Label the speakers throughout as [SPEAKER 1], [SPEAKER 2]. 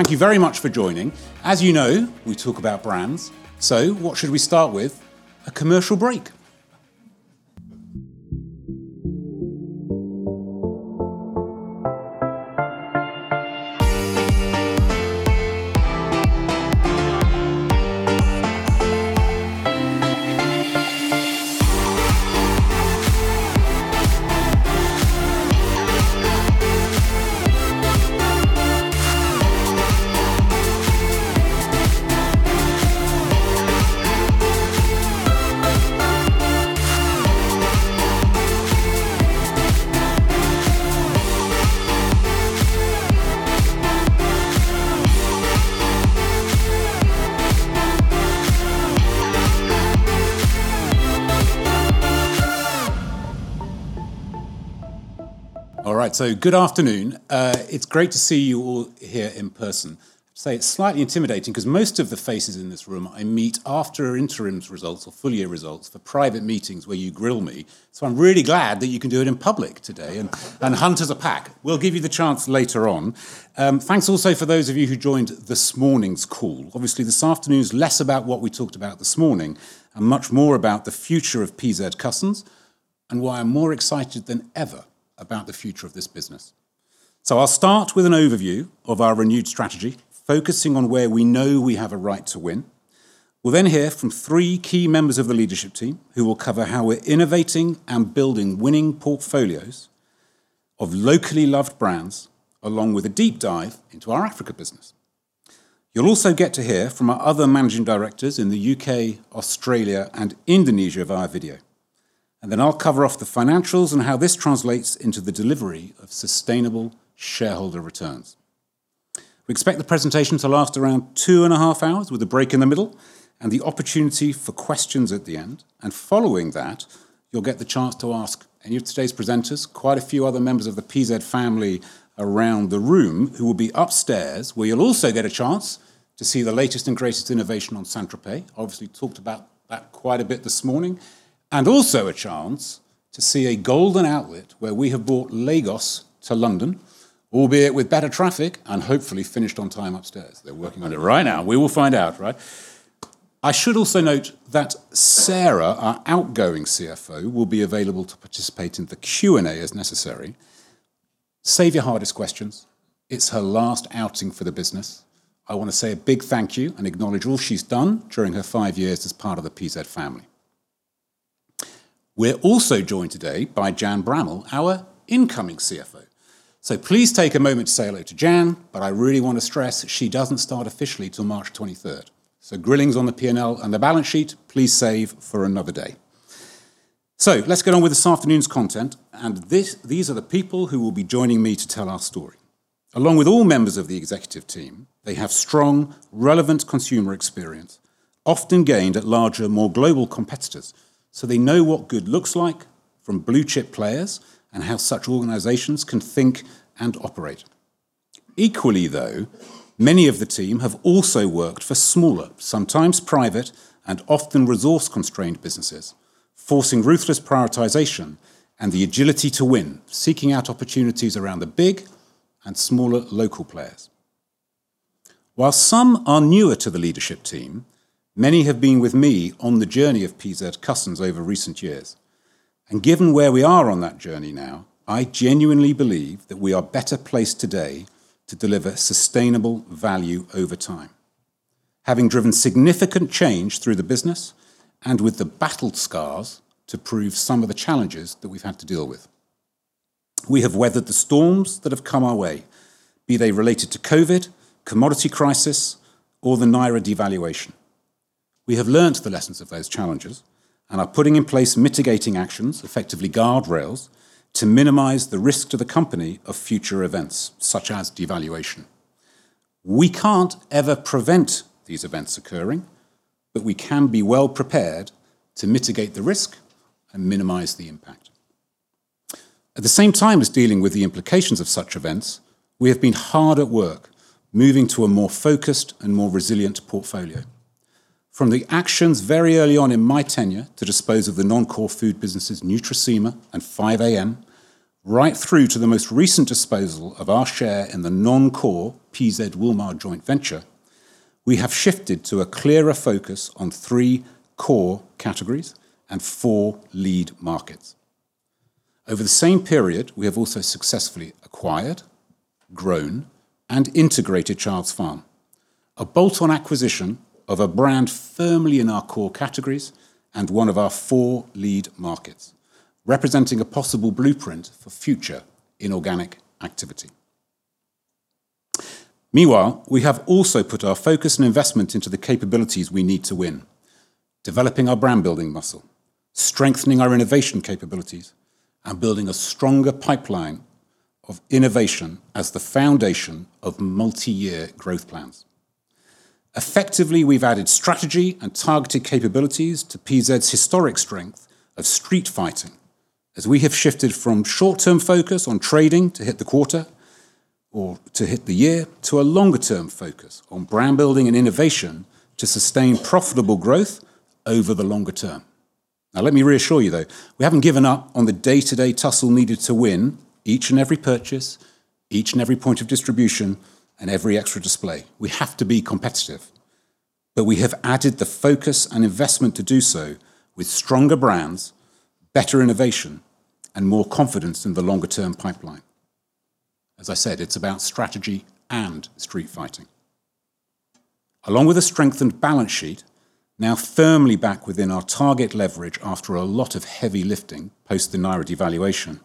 [SPEAKER 1] Thank you very much for joining. As you know, we talk about brands. What should we start with? A commercial break. All right, good afternoon. It's great to see you all here in person. Say it's slightly intimidating because most of the faces in this room I meet after interims results or full year results for private meetings where you grill me. I'm really glad that you can do it in public today and hunt as a pack. We'll give you the chance later on. Thanks also for those of you who joined this morning's call. Obviously, this afternoon is less about what we talked about this morning and much more about the future of PZ Cussons and why I'm more excited than ever about the future of this business. I'll start with an overview of our renewed strategy, focusing on where we know we have a right to win. We'll then hear from three key members of the leadership team who will cover how we're innovating and building winning portfolios of locally loved brands, along with a deep dive into our Africa business. You'll also get to hear from our other managing directors in the U.K., Australia and Indonesia via video. Then I'll cover off the financials and how this translates into the delivery of sustainable shareholder returns. We expect the presentation to last around 2.5 hours with a break in the middle and the opportunity for questions at the end. Following that, you'll get the chance to ask any of today's presenters, quite a few other members of the PZ family around the room who will be upstairs, where you'll also get a chance to see the latest and greatest innovation on St.Tropez. Obviously talked about that quite a bit this morning and also a chance to see a golden outlet where we have brought Lagos to London, albeit with better traffic and hopefully finished on time upstairs. They're working on it right now. We will find out, right? I should also note that Sarah, our outgoing CFO, will be available to participate in the Q&A as necessary. Save your hardest questions. It's her last outing for the business. I want to say a big thank you and acknowledge all she's done during her five years as part of the PZ family. We're also joined today by Jan Bramall, our incoming CFO. Please take a moment to say hello to Jan, but I really want to stress she doesn't start officially till March 23rd. Grillings on the P&L and the balance sheet, please save for another day. Let's get on with this afternoon's content. These are the people who will be joining me to tell our story. Along with all members of the executive team, they have strong, relevant consumer experience, often gained at larger, more global competitors, so they know what good looks like from blue chip players and how such organizations can think and operate. Equally, though, many of the team have also worked for smaller, sometimes private, and often resource constrained businesses, forcing ruthless prioritization and the agility to win, seeking out opportunities around the big and smaller local players. While some are newer to the leadership team, many have been with me on the journey of PZ Cussons over recent years. Given where we are on that journey now, I genuinely believe that we are better placed today to deliver sustainable value over time. Having driven significant change through the business and with the battle scars to prove some of the challenges that we've had to deal with. We have weathered the storms that have come our way, be they related to COVID, commodity crisis or the Naira devaluation. We have learned the lessons of those challenges and are putting in place mitigating actions, effectively guardrails, to minimize the risk to the company of future events such as devaluation. We can't ever prevent these events occurring, we can be well prepared to mitigate the risk and minimize the impact. At the same time as dealing with the implications of such events, we have been hard at work moving to a more focused and more resilient portfolio. From the actions very early on in my tenure to dispose of the non-core food businesses, Nutricima and five:am, right through to the most recent disposal of our share in the non-core PZ Wilmar joint venture, we have shifted to a clearer focus on three core categories and four lead markets. Over the same period, we have also successfully acquired, grown and integrated Childs Farm, a bolt-on acquisition of a brand firmly in our core categories and one of our four lead markets, representing a possible blueprint for future inorganic activity. Meanwhile, we have also put our focus and investment into the capabilities we need to win, developing our brand building muscle, strengthening our innovation capabilities, and building a stronger pipeline of innovation as the foundation of multi-year growth plans. Effectively, we've added strategy and targeted capabilities to PZ's historic strength of street fighting as we have shifted from short-term focus on trading to hit the quarter or to hit the year, to a longer term focus on brand building and innovation to sustain profitable growth over the longer term. Let me reassure you though, we haven't given up on the day-to-day tussle needed to win each and every purchase, each and every point of distribution, and every extra display. We have to be competitive. We have added the focus and investment to do so with stronger brands, better innovation, and more confidence in the longer-term pipeline. As I said, it's about strategy and street fighting. Along with a strengthened balance sheet, now firmly back within our target leverage after a lot of heavy lifting post the Naira devaluation,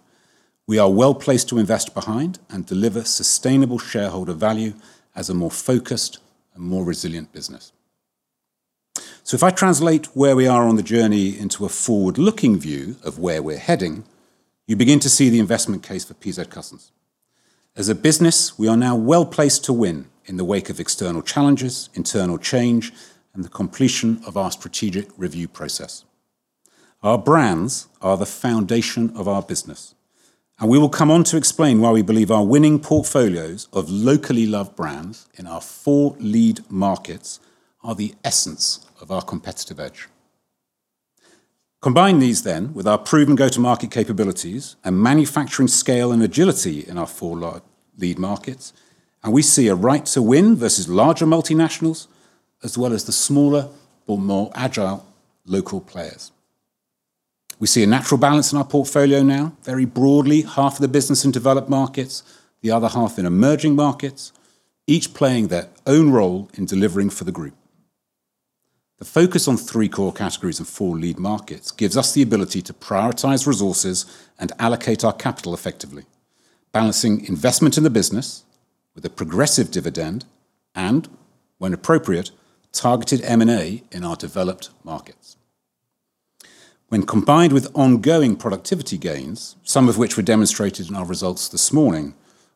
[SPEAKER 1] we are well-placed to invest behind and deliver sustainable shareholder value as a more focused and more resilient business. If I translate where we are on the journey into a forward-looking view of where we're heading, you begin to see the investment case for PZ Cussons. As a business, we are now well-placed to win in the wake of external challenges, internal change, and the completion of our strategic review process. Our brands are the foundation of our business. We will come on to explain why we believe our winning portfolios of locally loved brands in our four lead markets are the essence of our competitive edge. Combine these with our proven go-to-market capabilities and manufacturing scale and agility in our four lead markets, we see a right to win versus larger multinationals, as well as the smaller or more agile local players. We see a natural balance in our portfolio now, very broadly half of the business in developed markets, the other half in emerging markets, each playing their own role in delivering for the group. The focus on three core categories and four lead markets gives us the ability to prioritize resources and allocate our capital effectively, balancing investment in the business with a progressive dividend and, when appropriate, targeted M&A in our developed markets. When combined with ongoing productivity gains, some of which were demonstrated in our results this morning,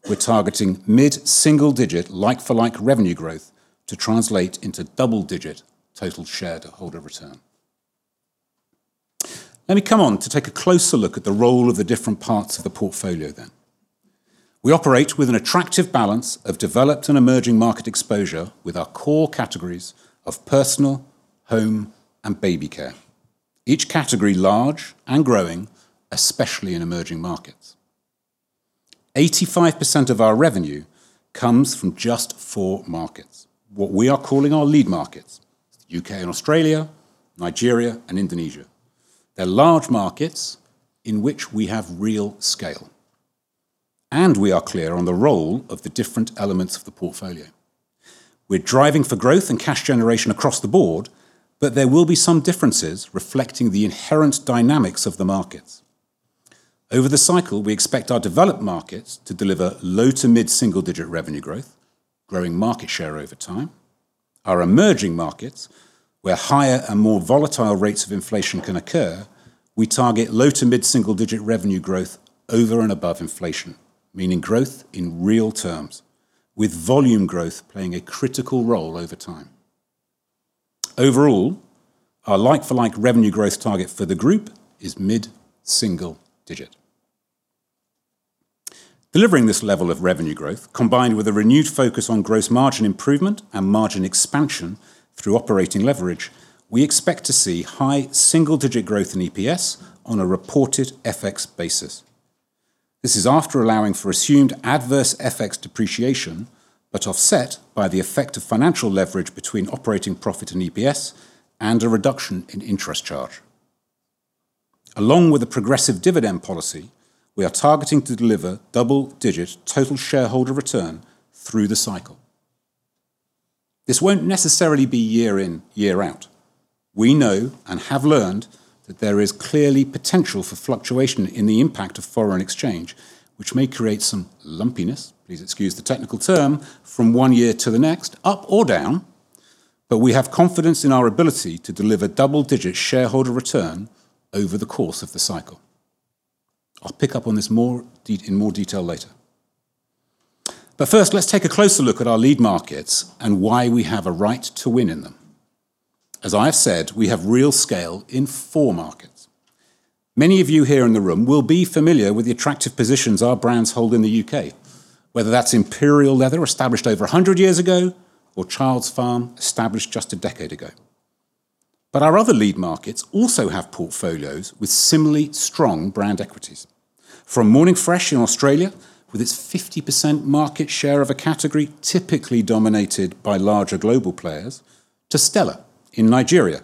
[SPEAKER 1] we're targeting mid-single-digit like-for-like revenue growth to translate into double-digit total shareholder return. Let me come on to take a closer look at the role of the different parts of the portfolio then. We operate with an attractive balance of developed and emerging market exposure with our core categories of personal, home, and baby care. Each category large and growing, especially in emerging markets. 85% of our revenue comes from just four markets, what we are calling our lead markets, U.K. and Australia, Nigeria, and Indonesia. They're large markets in which we have real scale, and we are clear on the role of the different elements of the portfolio. We're driving for growth and cash generation across the board, but there will be some differences reflecting the inherent dynamics of the markets. Over the cycle, we expect our developed markets to deliver low to mid-single-digit revenue growth, growing market share over time. Our emerging markets, where higher and more volatile rates of inflation can occur, we target low to mid-single-digit revenue growth over and above inflation, meaning growth in real terms, with volume growth playing a critical role over time. Overall, our like-for-like revenue growth target for the group is mid-single-digit. Delivering this level of revenue growth, combined with a renewed focus on gross margin improvement and margin expansion through operating leverage, we expect to see high single-digit growth in EPS on a reported FX basis. This is after allowing for assumed adverse FX depreciation, but offset by the effect of financial leverage between operating profit and EPS and a reduction in interest charge. Along with a progressive dividend policy, we are targeting to deliver double-digit total shareholder return through the cycle. This won't necessarily be year in, year out. We know and have learned that there is clearly potential for fluctuation in the impact of foreign exchange, which may create some lumpiness, please excuse the technical term, from one year to the next, up or down, but we have confidence in our ability to deliver double-digit shareholder return over the course of the cycle. I'll pick up on this more, in more detail later. First, let's take a closer look at our lead markets and why we have a right to win in them. As I've said, we have real scale in four markets. Many of you here in the room will be familiar with the attractive positions our brands hold in the U.K., whether that's Imperial Leather, established over 100 years ago, or Childs Farm, established just a decade ago. Our other lead markets also have portfolios with similarly strong brand equities. From Morning Fresh in Australia, with its 50% market share of a category typically dominated by larger global players, to Stella in Nigeria,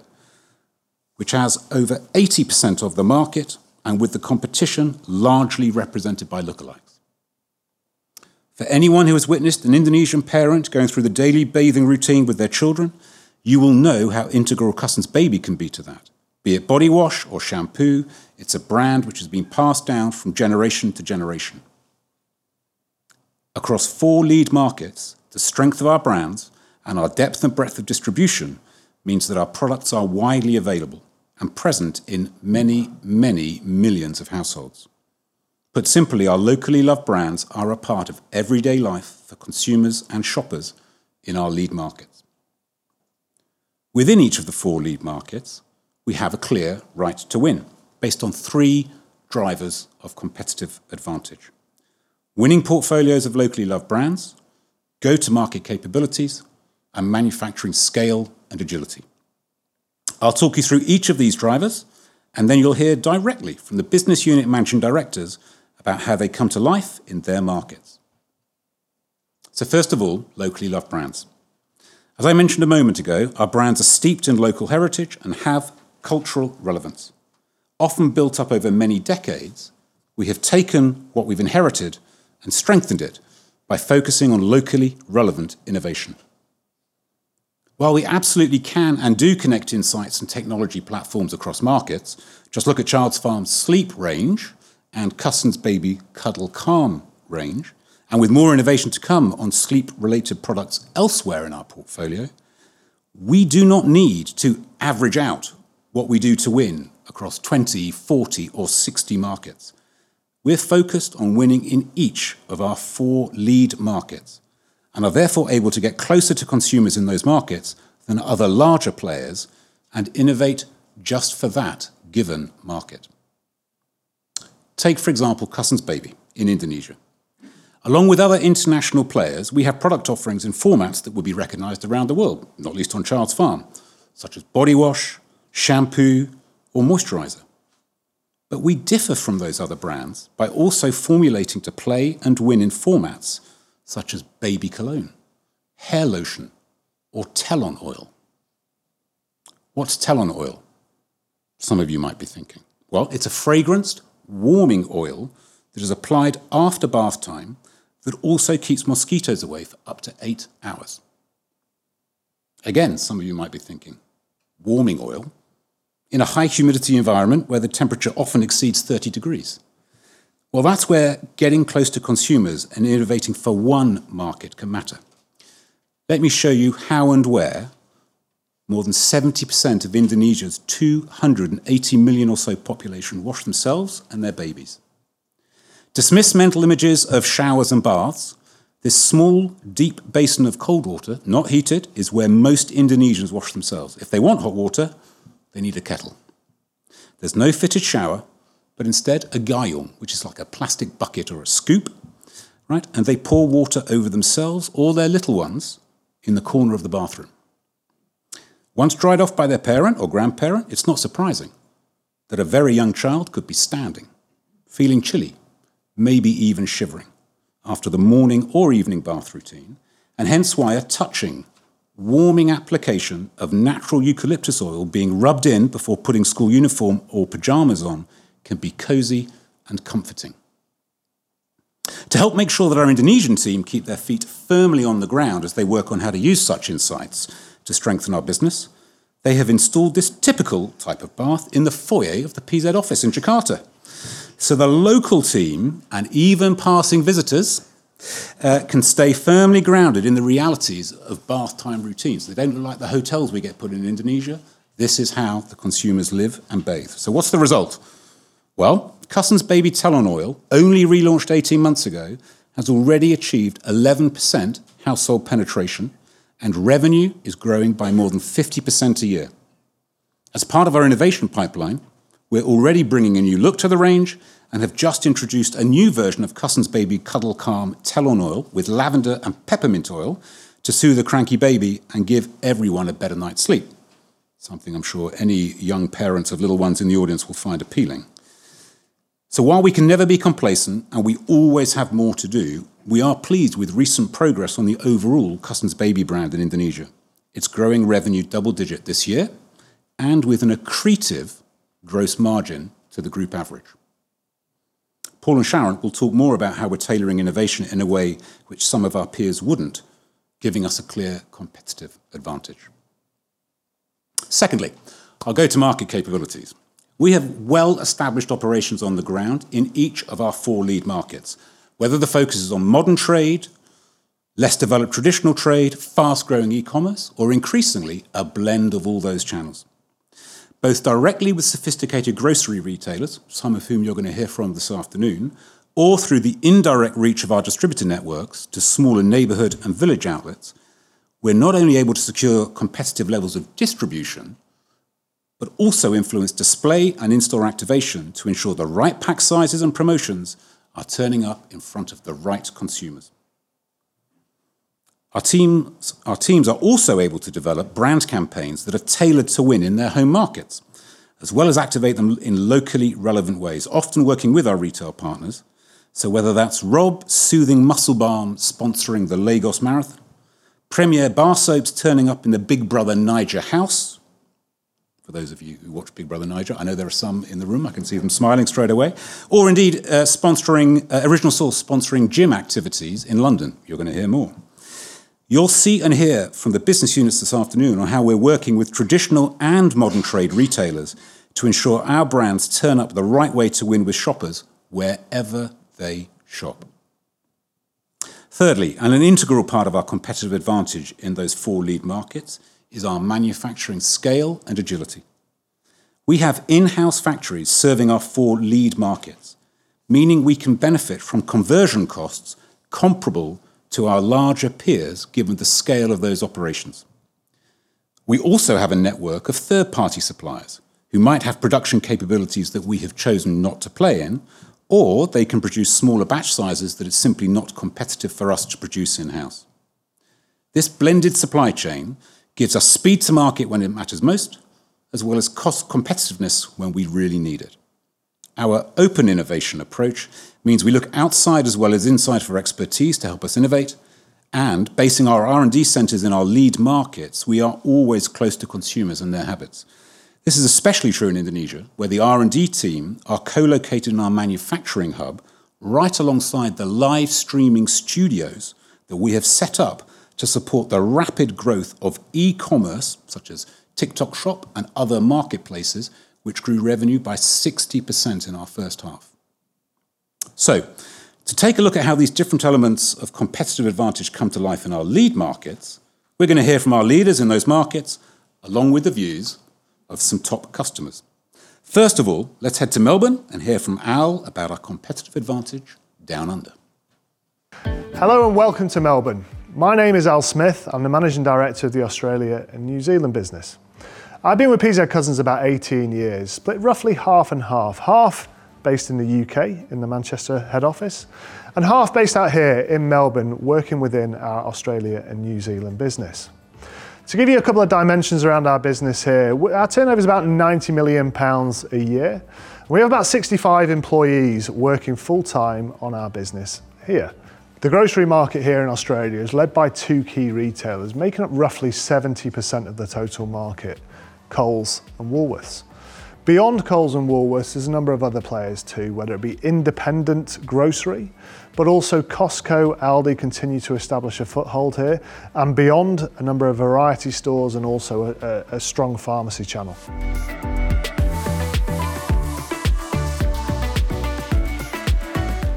[SPEAKER 1] which has over 80% of the market and with the competition largely represented by lookalikes. For anyone who has witnessed an Indonesian parent going through the daily bathing routine with their children, you will know how integral Cussons Baby can be to that. Be it body wash or shampoo, it's a brand which has been passed down from generation to generation. Across four lead markets, the strength of our brands and our depth and breadth of distribution means that our products are widely available and present in many, many millions of households. Put simply, our locally loved brands are a part of everyday life for consumers and shoppers in our lead markets. Within each of the four lead markets, we have a clear right to win based on three drivers of competitive advantage. Winning portfolios of locally loved brands, go-to-market capabilities, and manufacturing scale and agility. I'll talk you through each of these drivers, and then you'll hear directly from the business unit managing directors about how they come to life in their markets. First of all, locally loved brands. As I mentioned a moment ago, our brands are steeped in local heritage and have cultural relevance. Often built up over many decades, we have taken what we've inherited and strengthened it by focusing on locally relevant innovation. While we absolutely can and do connect insights and technology platforms across markets, just look at Childs Farm Sleep range and Cussons Baby Cuddle Calm range, and with more innovation to come on sleep-related products elsewhere in our portfolio, we do not need to average out what we do to win across 20, 40, or 60 markets. We're focused on winning in each of our four lead markets and are therefore able to get closer to consumers in those markets than other larger players and innovate just for that given market. Take, for example, Cussons Baby in Indonesia. Along with other international players, we have product offerings and formats that will be recognized around the world, not least on Childs Farm, such as body wash, shampoo, or moisturizer. We differ from those other brands by also formulating to play and win in formats such as baby cologne, hair lotion, or Telon Oil. What's Telon Oil? Some of you might be thinking. It's a fragranced warming oil that is applied after bath time that also keeps mosquitoes away for up to eight hours. Again, some of you might be thinking, warming oil in a high humidity environment where the temperature often exceeds 30 degrees. That's where getting close to consumers and innovating for one market can matter. Let me show you how and where more than 70% of Indonesia's 280 million or so population wash themselves and their babies. Dismiss mental images of showers and baths. This small, deep basin of cold water, not heated, is where most Indonesians wash themselves. If they want hot water, they need a kettle. There's no fitted shower, but instead a gayung, which is like a plastic bucket or a scoop, right? They pour water over themselves or their little ones in the corner of the bathroom. Once dried off by their parent or grandparent, it's not surprising that a very young child could be standing, feeling chilly, maybe even shivering after the morning or evening bath routine, and hence why a touching, warming application of natural eucalyptus oil being rubbed in before putting school uniform or pajamas on can be cozy and comforting. To help make sure that our Indonesian team keep their feet firmly on the ground as they work on how to use such insights to strengthen our business, they have installed this typical type of bath in the foyer of the PZ office in Jakarta. The local team and even passing visitors can stay firmly grounded in the realities of bath time routines. They don't look like the hotels we get put in in Indonesia. This is how the consumers live and bathe. What's the result? Well, Cussons Baby Telon Oil, only relaunched 18 months ago, has already achieved 11% household penetration, and revenue is growing by more than 50% a year. As part of our innovation pipeline, we're already bringing a new look to the range and have just introduced a new version of Cussons Baby Cuddle Calm Telon Oil with lavender and peppermint oil to soothe a cranky baby and give everyone a better night's sleep, something I'm sure any young parents of little ones in the audience will find appealing. While we can never be complacent, and we always have more to do, we are pleased with recent progress on the overall Cussons Baby brand in Indonesia. It's growing revenue double-digit this year and with an accretive gross margin to the group average. Paul and Sharon will talk more about how we're tailoring innovation in a way which some of our peers wouldn't, giving us a clear competitive advantage. Secondly, our go-to-market capabilities. We have well-established operations on the ground in each of our four lead markets, whether the focus is on modern trade, less developed traditional trade, fast-growing e-commerce, or increasingly a blend of all those channels. Both directly with sophisticated grocery retailers, some of whom you're going to hear from this afternoon, or through the indirect reach of our distributor networks to smaller neighborhood and village outlets, we're not only able to secure competitive levels of distribution, but also influence display and in-store activation to ensure the right pack sizes and promotions are turning up in front of the right consumers. Our teams are also able to develop brand campaigns that are tailored to win in their home markets, as well as activate them in locally relevant ways, often working with our retail partners. Whether that's Robb soothing muscle balm sponsoring the Lagos Marathon, Premier bar soaps turning up in the Big Brother Naija house. For those of you who watch Big Brother Naija, I know there are some in the room, I can see them smiling straight away, or indeed, sponsoring Original Source sponsoring gym activities in London. You're gonna hear more. You'll see and hear from the business units this afternoon on how we're working with traditional and modern trade retailers to ensure our brands turn up the right way to win with shoppers wherever they shop. Thirdly, and an integral part of our competitive advantage in those four lead markets, is our manufacturing scale and agility. We have in-house factories serving our four lead markets, meaning we can benefit from conversion costs comparable to our larger peers given the scale of those operations. We also have a network of third-party suppliers who might have production capabilities that we have chosen not to play in, or they can produce smaller batch sizes that it's simply not competitive for us to produce in-house. This blended supply chain gives us speed to market when it matters most, as well as cost competitiveness when we really need it. Our open innovation approach means we look outside as well as inside for expertise to help us innovate, and basing our R&D centers in our lead markets, we are always close to consumers and their habits. This is especially true in Indonesia, where the R&D team are co-located in our manufacturing hub right alongside the live streaming studios that we have set up to support the rapid growth of e-commerce, such as TikTok Shop and other marketplaces, which grew revenue by 60% in our first half. To take a look at how these different elements of competitive advantage come to life in our lead markets, we're going to hear from our leaders in those markets along with the views of some top customers. First of all, let's head to Melbourne and hear from Al about our competitive advantage down under
[SPEAKER 2] Hello and welcome to Melbourne. My name is Al Smith. I'm the Managing Director of the Australia and New Zealand business. I've been with PZ Cussons about 18 years, but roughly 50/50 based in the U.K. in the Manchester head office and half based out here in Melbourne, working within our Australia and New Zealand business. To give you a couple of dimensions around our business here, our turnover is about 90 million pounds a year. We have about 65 employees working full time on our business here. The grocery market here in Australia is led by two key retailers making up roughly 70% of the total market, Coles and Woolworths. Beyond Coles and Woolworths, there's a number of other players too, whether it be independent grocery, also Costco, Aldi continue to establish a foothold here and beyond a number of variety stores and also a strong pharmacy channel.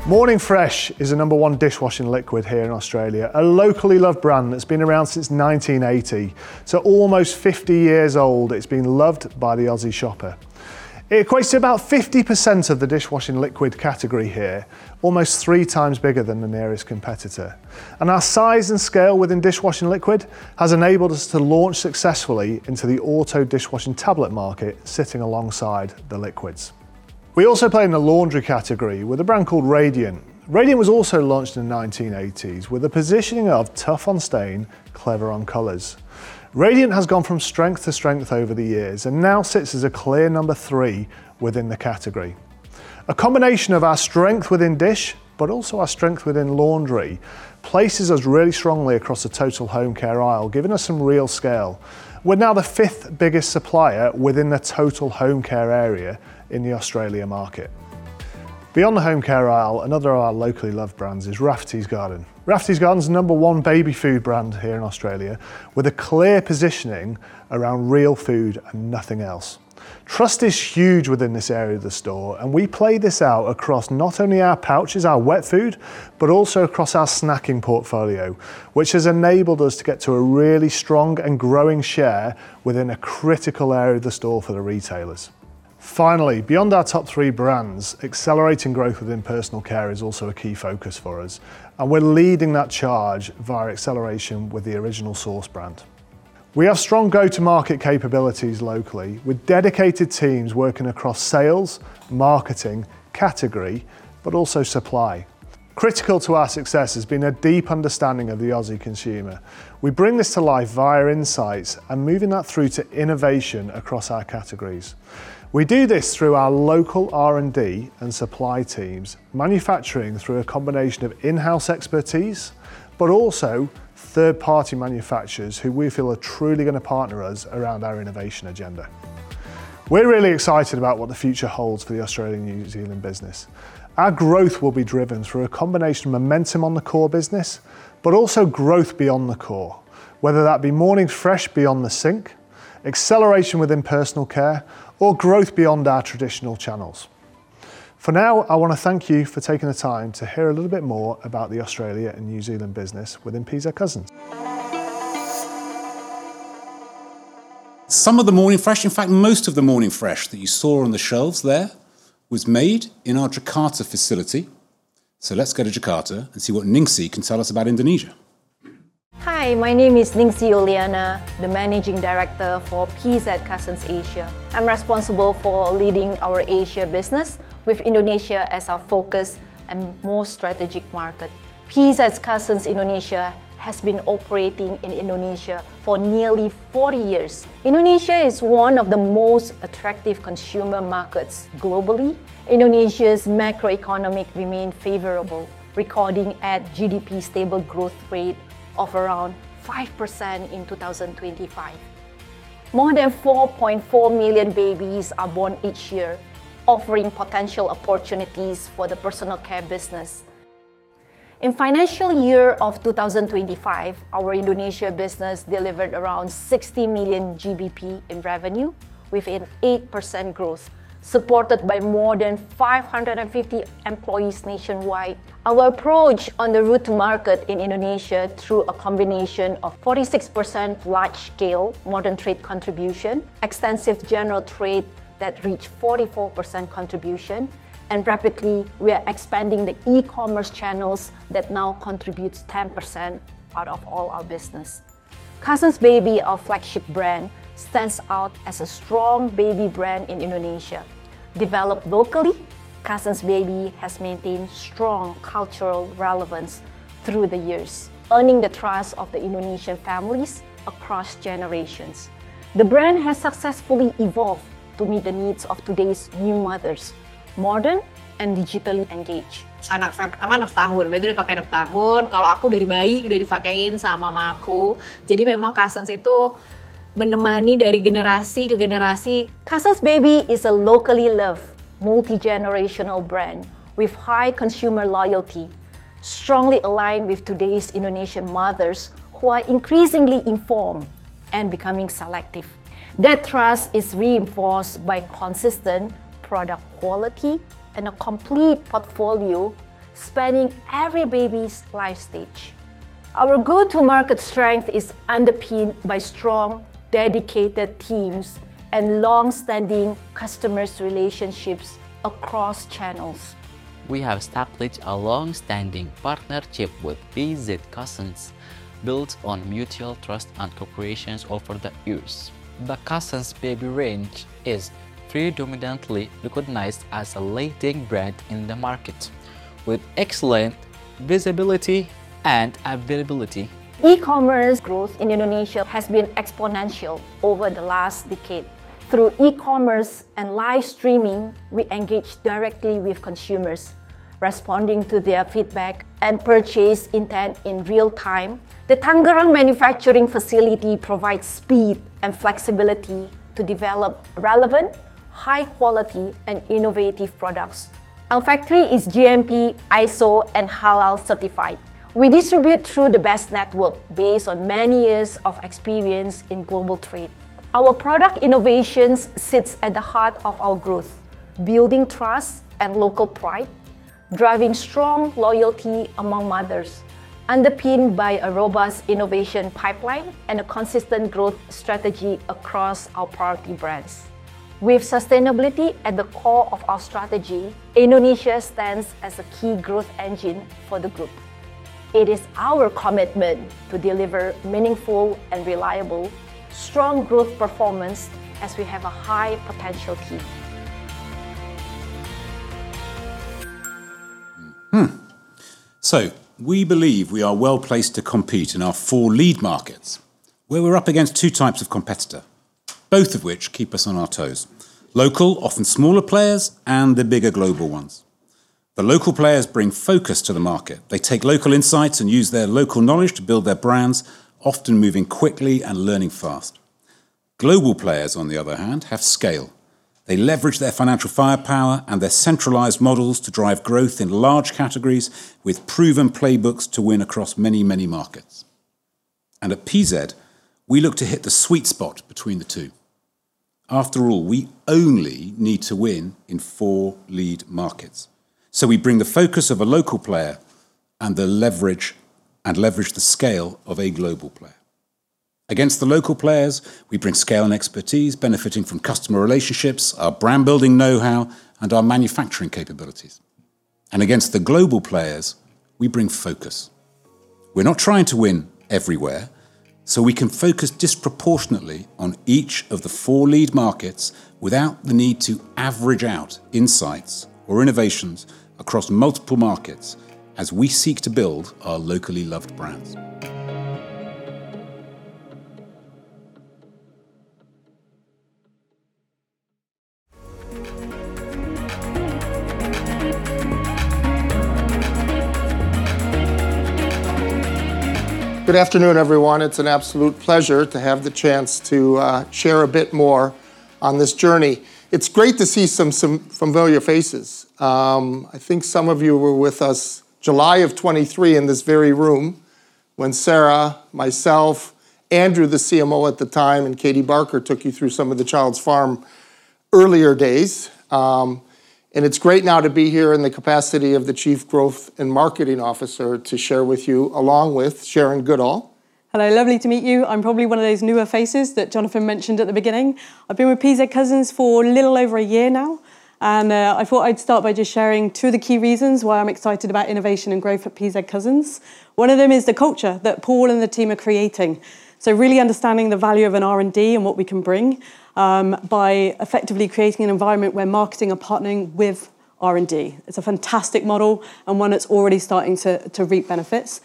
[SPEAKER 2] Morning Fresh is the number one dishwashing liquid here in Australia, a locally loved brand that's been around since 1980, so almost 50 years old. It's been loved by the Aussie shopper. It equates to about 50% of the dishwashing liquid category here, almost 3x bigger than the nearest competitor. Our size and scale within dishwashing liquid has enabled us to launch successfully into the auto dishwashing tablet market, sitting alongside the liquids. We also play in the laundry category with a brand called Radiant. Radiant was also launched in the 1980s with the positioning of tough on stain, clever on colors. Radiant has gone from strength to strength over the years and now sits as a clear number three within the category. A combination of our strength within dish, but also our strength within laundry, places us really strongly across the total home care aisle, giving us some real scale. We're now the fifth biggest supplier within the total home care area in the Australia market. Beyond the home care aisle, another of our locally loved brands is Rafferty's Garden. Rafferty's Garden is the number one baby food brand here in Australia with a clear positioning around real food and nothing else. Trust is huge within this area of the store, and we play this out across not only our pouches, our wet food, but also across our snacking portfolio, which has enabled us to get to a really strong and growing share within a critical area of the store for the retailers. Finally, beyond our top three brands, accelerating growth within personal care is also a key focus for us, and we're leading that charge via acceleration with the Original Source brand. We have strong go-to-market capabilities locally with dedicated teams working across sales, marketing, category, but also supply. Critical to our success has been a deep understanding of the Aussie consumer. We bring this to life via insights and moving that through to innovation across our categories. We do this through our local R&D and supply teams, manufacturing through a combination of in-house expertise, but also third party manufacturers who we feel are truly going to partner us around our innovation agenda. We're really excited about what the future holds for the Australian and New Zealand business. Our growth will be driven through a combination of momentum on the core business, but also growth beyond the core, whether that be Morning Fresh beyond the sink, acceleration within personal care or growth beyond our traditional channels. For now, I want to thank you for taking the time to hear a little bit more about the Australia and New Zealand business within PZ Cussons.
[SPEAKER 1] Some of the Morning Fresh, in fact, most of the Morning Fresh that you saw on the shelves there was made in our Jakarta facility. Let's go to Jakarta and see what Ningcy can tell us about Indonesia.
[SPEAKER 3] Hi, my name is Ningcy Yuliana, the managing director for PZ Cussons Asia. I'm responsible for leading our Asia business with Indonesia as our focus and most strategic market. PZ Cussons Indonesia has been operating in Indonesia for nearly 40 years. Indonesia is one of the most attractive consumer markets globally. Indonesia's macroeconomic remain favorable, recording at GDP stable growth rate of around 5% in 2025. More than 4.4 million babies are born each year offering potential opportunities for the personal care business. In financial year of 2025, our Indonesia business delivered around 60 million GBP in revenue with an 8% growth supported by more than 550 employees nationwide. Our approach on the route to market in Indonesia through a combination of 46% large scale modern trade contribution, extensive general trade that reached 44% contribution, and rapidly we are expanding the e-commerce channels that now contributes 10% out of all our business. Cussons Baby, our flagship brand, stands out as a strong baby brand in Indonesia. Developed locally, Cussons Baby has maintained strong cultural relevance through the years, earning the trust of the Indonesian families across generations. The brand has successfully evolved to meet the needs of today's new mothers, modern and digitally engaged. Cussons Baby is a locally loved multi-generational brand with high consumer loyalty, strongly aligned with today's Indonesian mothers, who are increasingly informed and becoming selective. That trust is reinforced by consistent product quality and a complete portfolio spanning every baby's life stage. Our go-to-market strength is underpinned by strong, dedicated teams and long-standing customer relationships across channels.
[SPEAKER 4] We have established a long-standing partnership with PZ Cussons, built on mutual trust and cooperation over the years. The Cussons Baby range is predominantly recognized as a leading brand in the market, with excellent visibility and availability.
[SPEAKER 3] E-commerce growth in Indonesia has been exponential over the last decade. Through e-commerce and live streaming, we engage directly with consumers, responding to their feedback and purchase intent in real time. The Tangerang manufacturing facility provides speed and flexibility to develop relevant, high-quality, and innovative products. Our factory is GMP, ISO, and Halal certified. We distribute through the best network based on many years of experience in global trade. Our product innovations sits at the heart of our growth, building trust and local pride, driving strong loyalty among mothers, underpinned by a robust innovation pipeline and a consistent growth strategy across our priority brands. With sustainability at the core of our strategy, Indonesia stands as a key growth engine for the group. It is our commitment to deliver meaningful and reliable strong growth performance as we have a high potential team.
[SPEAKER 1] We believe we are well-placed to compete in our four lead markets, where we're up against two types of competitor, both of which keep us on our toes: local, often smaller players, and the bigger global ones. The local players bring focus to the market. They take local insights and use their local knowledge to build their brands, often moving quickly and learning fast. Global players, on the other hand, have scale. They leverage their financial firepower and their centralized models to drive growth in large categories with proven playbooks to win across many markets. At PZ, we look to hit the sweet spot between the two. After all, we only need to win in four lead markets. We bring the focus of a local player and leverage the scale of a global player. Against the local players, we bring scale and expertise, benefiting from customer relationships, our brand-building know-how, and our manufacturing capabilities. Against the global players, we bring focus. We're not trying to win everywhere, so we can focus disproportionately on each of the four lead markets without the need to average out insights or innovations across multiple markets as we seek to build our locally loved brands.
[SPEAKER 5] Good afternoon, everyone. It's an absolute pleasure to have the chance to share a bit more on this journey. It's great to see some familiar faces. I think some of you were with us July of 2023 in this very room when Sarah, myself, Andrew, the CMO at the time, and Katie Barker took you through some of the Childs Farm earlier days. It's great now to be here in the capacity of the chief growth and marketing officer to share with you, along with Sharon Goodall.
[SPEAKER 6] Hello. Lovely to meet you. I'm probably one of those newer faces that Jonathan mentioned at the beginning. I've been with PZ Cussons for a little over a year now, I thought I'd start by just sharing two of the key reasons why I'm excited about innovation and growth at PZ Cussons. One of them is the culture that Paul and the team are creating, so really understanding the value of an R&D and what we can bring, by effectively creating an environment where marketing are partnering with R&D. It's a fantastic model and one that's already starting to reap benefits.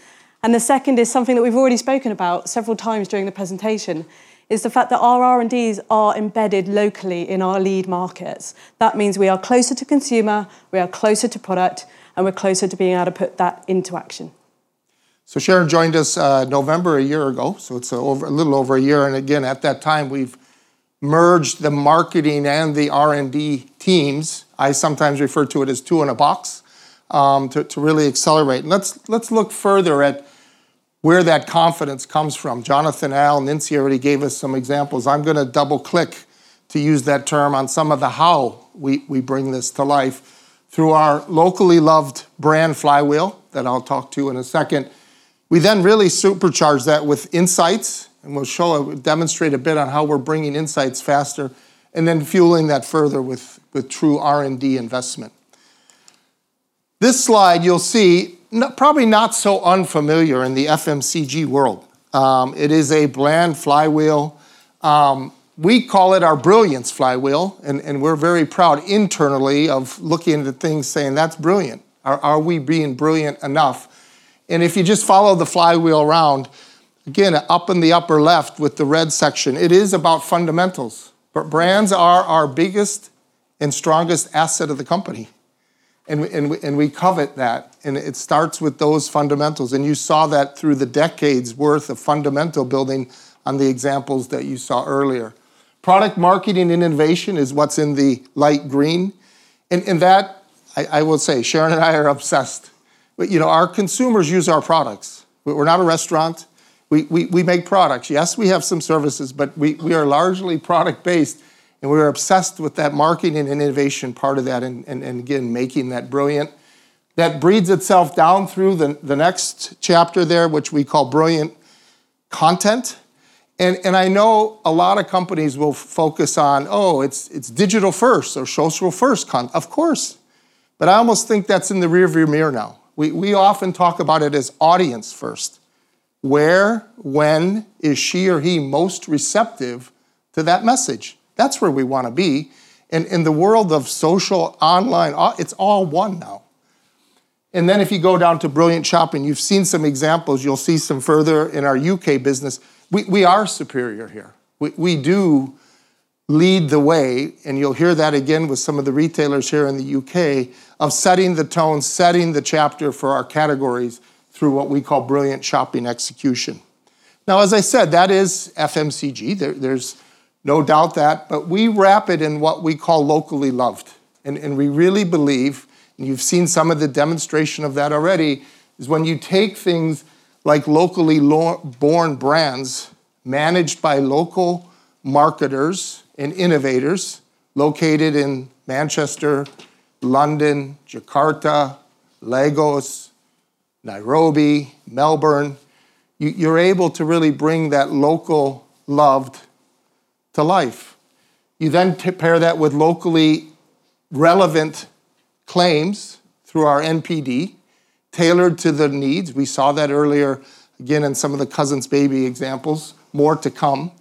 [SPEAKER 6] The second is something that we've already spoken about several times during the presentation, is the fact that our R&Ds are embedded locally in our lead markets. That means we are closer to consumer, we are closer to product, and we're closer to being able to put that into action.
[SPEAKER 5] Sharon joined us, November a year ago, so it's a little over a year. Again, at that time, we've merged the marketing and the R&D teams. I sometimes refer to it as two in a box, to really accelerate. Let's look further at where that confidence comes from. Jonathan, Al, and Ningcy already gave us some examples. I'm gonna double-click, to use that term, on some of the how we bring this to life through our locally loved brand flywheel that I'll talk to in a second. We then really supercharge that with insights, and we'll show demonstrate a bit on how we're bringing insights faster and then fueling that further with true R&D investment. This slide you'll see probably not so unfamiliar in the FMCG world. It is a brand flywheel. We call it our brilliance flywheel, and we're very proud internally of looking at the things saying, "That's brilliant. Are we being brilliant enough?" If you just follow the flywheel around, again, up in the upper left with the red section, it is about fundamentals, but brands are our biggest and strongest asset of the company, and we covet that, and it starts with those fundamentals. You saw that through the decades worth of fundamental building on the examples that you saw earlier. Product marketing and innovation is what's in the light green, and that I will say, Sharon and I are obsessed. You know, our consumers use our products. We're not a restaurant. We make products. Yes, we have some services, but we are largely product-based, and we're obsessed with that marketing and innovation part of that and again, making that brilliant. That breeds itself down through the next chapter there, which we call brilliant content. I know a lot of companies will focus on, oh, it's digital first or social first. Of course. I almost think that's in the rear view mirror now. We often talk about it as audience first. Where, when is she or he most receptive to that message? That's where we wanna be. In the world of social, online, it's all one now. If you go down to brilliant shopping, you've seen some examples, you'll see some further in our U.K. business. We are superior here. We do lead the way, and you'll hear that again with some of the retailers here in the U.K., of setting the tone, setting the chapter for our categories through what we call brilliant shopping execution. Now as I said, that is FMCG. There's no doubt that, but we wrap it in what we call locally loved, and we really believe, and you've seen some of the demonstration of that already, is when you take things like locally born brands managed by local marketers and innovators located in Manchester, London, Jakarta, Lagos, Nairobi, Melbourne, you're able to really bring that local loved to life. You then pair that with locally relevant claims through our NPD tailored to the needs. We saw that earlier again in some of the Cussons Baby examples. More to come.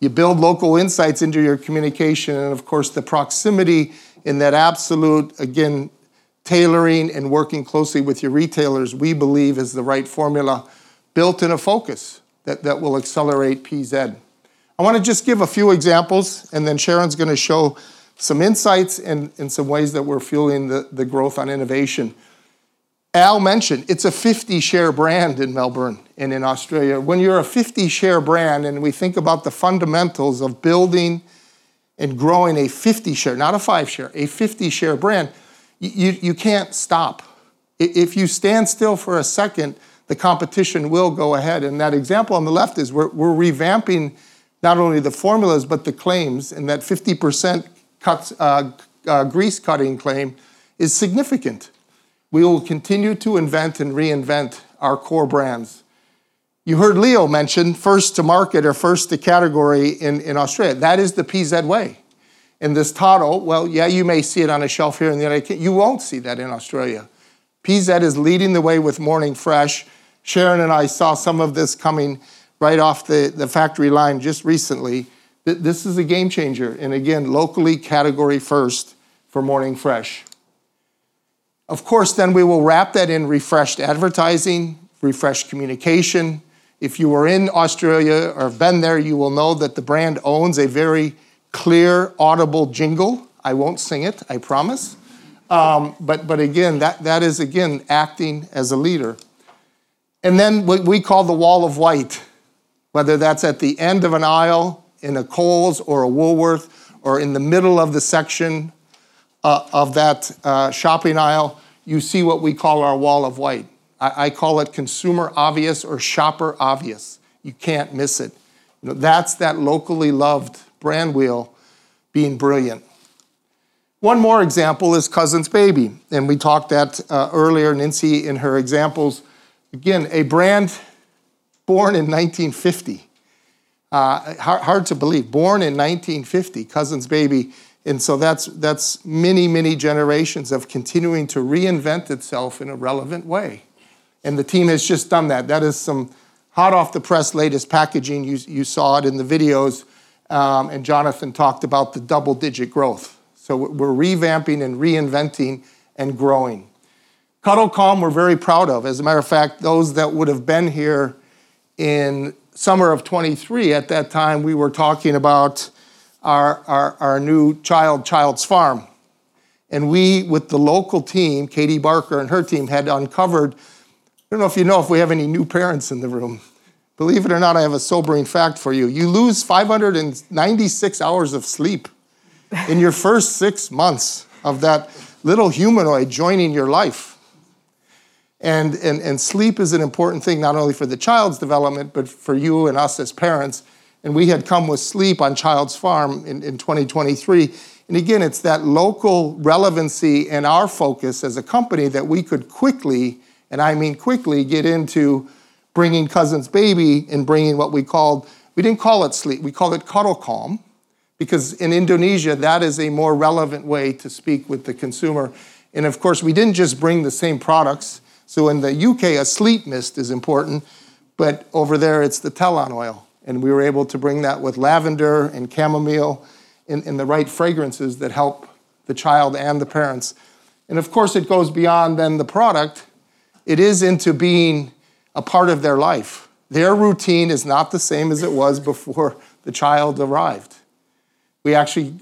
[SPEAKER 5] You build local insights into your communication and of course the proximity in that absolute again tailoring and working closely with your retailers, we believe is the right formula built in a focus that will accelerate PZ. I wanna just give a few examples, and then Sharon's gonna show some insights and some ways that we're fueling the growth on innovation. Al mentioned it's a 50-share brand in Melbourne and in Australia. When you're a 50-share brand, and we think about the fundamentals of building and growing a 50-share, not a five-share, a 50-share brand, you can't stop. If you stand still for a second, the competition will go ahead, and that example on the left is we're revamping not only the formulas, but the claims, and that 50% cuts grease cutting claim is significant. We will continue to invent and reinvent our core brands. You heard Leo mention first to market or first to category in Australia. That is the PZ way. You may see it on a shelf here in the U.K., you won't see that in Australia. PZ is leading the way with Morning Fresh. Sharon and I saw some of this coming right off the factory line just recently. This is a game changer and again, locally category first for Morning Fresh. We will wrap that in refreshed advertising, refreshed communication. If you are in Australia or have been there, you will know that the brand owns a very clear, audible jingle. I won't sing it, I promise. Again, that is again acting as a leader. What we call the wall of white, whether that's at the end of an aisle in a Coles or a Woolworth or in the middle of the section of that shopping aisle, you see what we call our wall of white. I call it consumer obvious or shopper obvious. You can't miss it. You know, that's that locally loved brand wheel being brilliant. One more example is Cussons Baby, and we talked that earlier, Ningcy, in her examples. Again, a brand born in 1950. Hard to believe. Born in 1950, Cussons Baby. So that's many, many generations of continuing to reinvent itself in a relevant way. The team has just done that. That is some hot off the press latest packaging. You saw it in the videos, and Jonathan talked about the double-digit growth. We're revamping and reinventing and growing. Cuddle Calm we're very proud of. As a matter of fact, those that would've been here in summer of 2023, at that time, we were talking about our new child, Childs Farm. We with the local team, Katie Barker and her team, had uncovered. I don't know if you know if we have any new parents in the room. Believe it or not, I have a sobering fact for you. You lose 596 hours of sleep in your first six months of that little humanoid joining your life, and sleep is an important thing not only for the child's development, but for you and us as parents, and we had come with Sleep on Childs Farm in 2023. Again, it's that local relevancy and our focus as a company that we could quickly, and I mean quickly, get into bringing Cussons Baby and bringing what we called... We didn't call it Sleep, we called it Cuddle Calm. In Indonesia, that is a more relevant way to speak with the consumer. We didn't just bring the same products. In the U.K., a sleep mist is important, but over there it's the Telon Oil, and we were able to bring that with lavender and chamomile in the right fragrances that help the child and the parents. It goes beyond than the product. It is into being a part of their life. Their routine is not the same as it was before the child arrived. We actually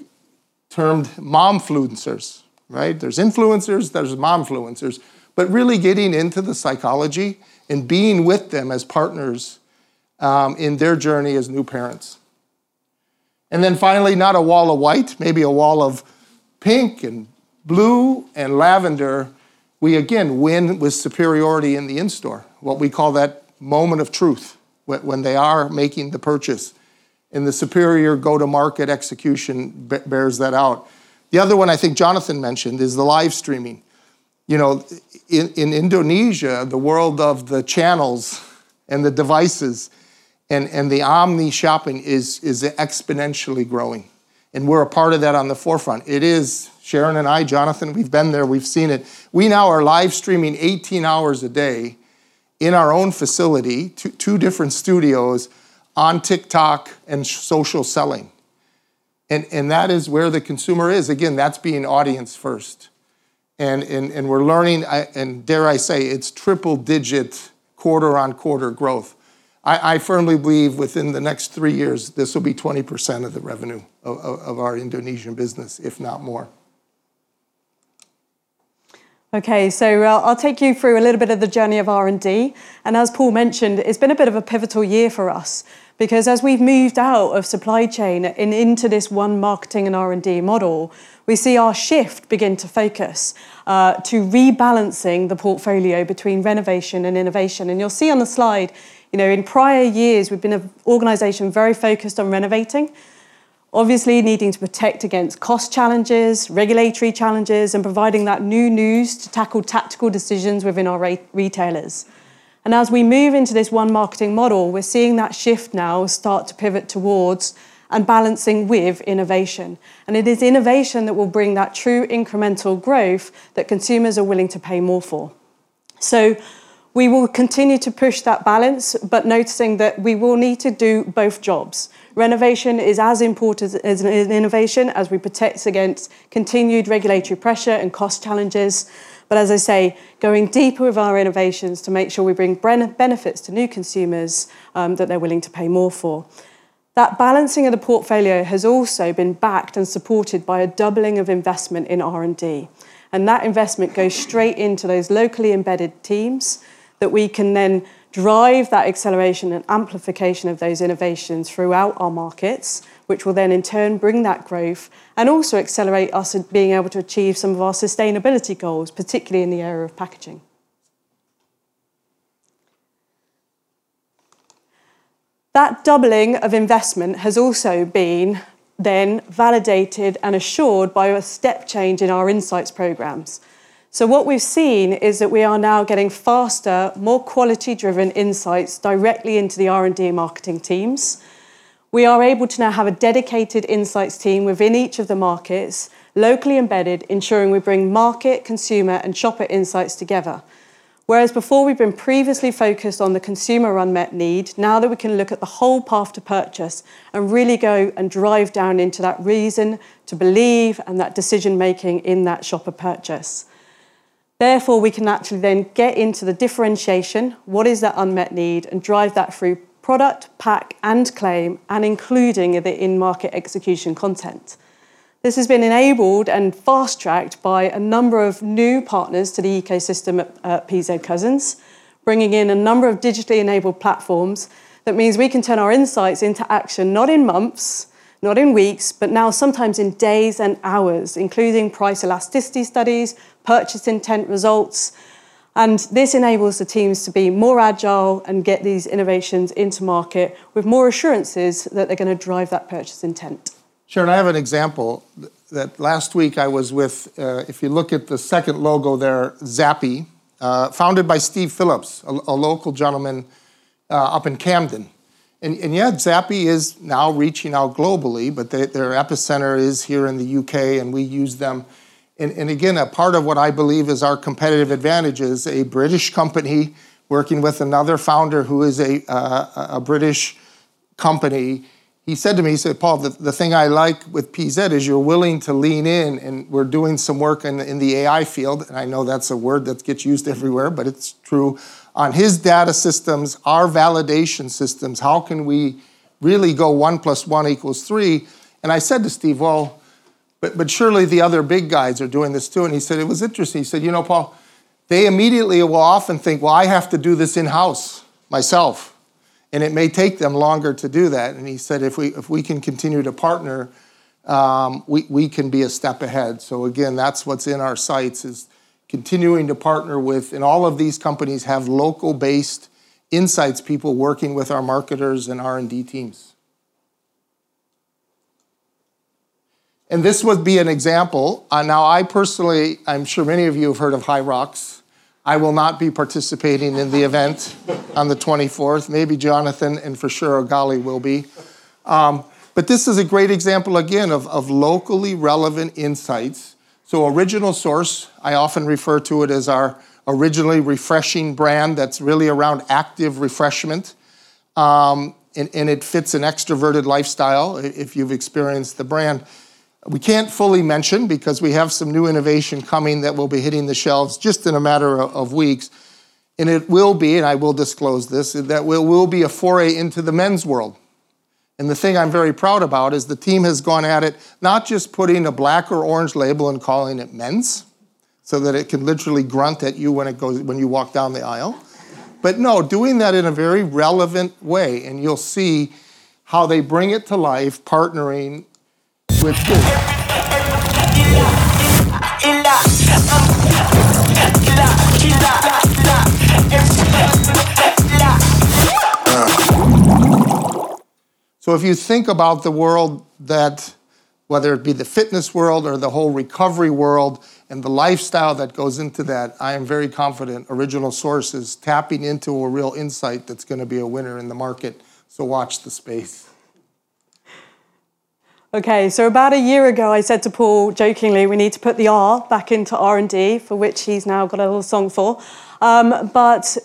[SPEAKER 5] termed momfluencers, right? There's influencers, there's momfluencers, but really getting into the psychology and being with them as partners in their journey as new parents. Finally, not a wall of white, maybe a wall of pink and blue and lavender. We again win with superiority in the in-store, what we call that moment of truth when they are making the purchase, and the superior go-to-market execution bears that out. The other one I think Jonathan mentioned is the live streaming. You know, in Indonesia, the world of the channels and the devices and the omni shopping is exponentially growing, and we're a part of that on the forefront. It is Sharon and I, Jonathan. We've been there, we've seen it. We now are live streaming 18 hours a day in our own facility, two different studios on TikTok and social selling, and that is where the consumer is. Again, that's being audience first and we're learning, and dare I say it's triple-digit quarter-on-quarter growth. I firmly believe within the next three years this will be 20% of the revenue of our Indonesian business, if not more.
[SPEAKER 6] I'll take you through a little bit of the journey of R&D. As Paul mentioned, it's been a bit of a pivotal year for us because as we've moved out of supply chain and into this one marketing and R&D model, we see our shift begin to focus to rebalancing the portfolio between renovation and innovation. You'll see on the slide, you know, in prior years we've been an organization very focused on renovating, obviously needing to protect against cost challenges, regulatory challenges, and providing that new news to tackle tactical decisions within our re-retailers. As we move into this one marketing model, we're seeing that shift now start to pivot towards and balancing with innovation. It is innovation that will bring that true incremental growth that consumers are willing to pay more for. We will continue to push that balance, but noticing that we will need to do both jobs. Renovation is as important as innovation as we protect against continued regulatory pressure and cost challenges. As I say, going deeper with our renovations to make sure we bring benefits to new consumers that they're willing to pay more for. That balancing of the portfolio has also been backed and supported by a doubling of investment in R&D, and that investment goes straight into those locally embedded teams that we can then drive that acceleration and amplification of those innovations throughout our markets, which will then in turn bring that growth and also accelerate us in being able to achieve some of our sustainability goals, particularly in the area of packaging. That doubling of investment has also been then validated and assured by a step change in our insights programs. What we've seen is that we are now getting faster, more quality-driven insights directly into the R&D and marketing teams. We are able to now have a dedicated insights team within each of the markets, locally embedded, ensuring we bring market, consumer, and shopper insights together. Whereas before we've been previously focused on the consumer unmet need, now that we can look at the whole path to purchase and really go and drive down into that reason to believe, and that decision-making in that shopper purchase. We can actually then get into the differentiation, what is that unmet need, and drive that through product, pack, and claim, and including the in-market execution content. This has been enabled and fast-tracked by a number of new partners to the ecosystem at PZ Cussons, bringing in a number of digitally enabled platforms. That means we can turn our insights into action, not in months, not in weeks, but now sometimes in days and hours, including price elasticity studies, purchase intent results. This enables the teams to be more agile and get these innovations into market with more assurances that they're gonna drive that purchase intent.
[SPEAKER 5] Sharon, I have an example that last week I was with, if you look at the second logo there, Zappi, founded by Steve Phillips, a local gentleman, up in Camden. Yeah, Zappi is now reaching out globally, but their epicenter is here in the U.K., and we use them. Again, a part of what I believe is our competitive advantage is a British company working with another founder who is a British company. He said to me, he said, "Paul, the thing I like with PZ is you're willing to lean in, and we're doing some work in the A.I. field." I know that's a word that gets used everywhere, but it's true. On his data systems, our validation systems, how can we really go 1 + 1 = 3? I said to Steve, "Well, but surely the other big guys are doing this too." He said, "It was interesting." He said, "You know, Paul, they immediately will often think, 'Well, I have to do this in-house myself,' and it may take them longer to do that." He said, "If we can continue to partner, we can be a step ahead." Again, that's what's in our sights is continuing to partner with, and all of these companies have local-based insights people working with our marketers and R&D teams. This would be an example. Now I personally I'm sure many of you have heard of HYROX. I will not be participating in the event on the 24th. Maybe Jonathan and for sure Oghale will be. This is a great example again of locally relevant insights. Original Source, I often refer to it as our originally refreshing brand that's really around active refreshment. It fits an extroverted lifestyle, if you've experienced the brand. We can't fully mention because we have some new innovation coming that will be hitting the shelves just in a matter of weeks, and it will be, and I will disclose this, that will be a foray into the men's world. The thing I'm very proud about is the team has gone at it not just putting a black or orange label and calling it men's so that it can literally grunt at you when it goes... when you walk down the aisle. No, doing that in a very relevant way. You'll see how they bring it to life partnering with. If you think about the world that, whether it be the fitness world or the whole recovery world and the lifestyle that goes into that, I am very confident Original Source is tapping into a real insight that's gonna be a winner in the market. Watch this space.
[SPEAKER 6] Okay. About a year ago, I said to Paul jokingly, "We need to put the R back into R&D," for which he's now got a little song for.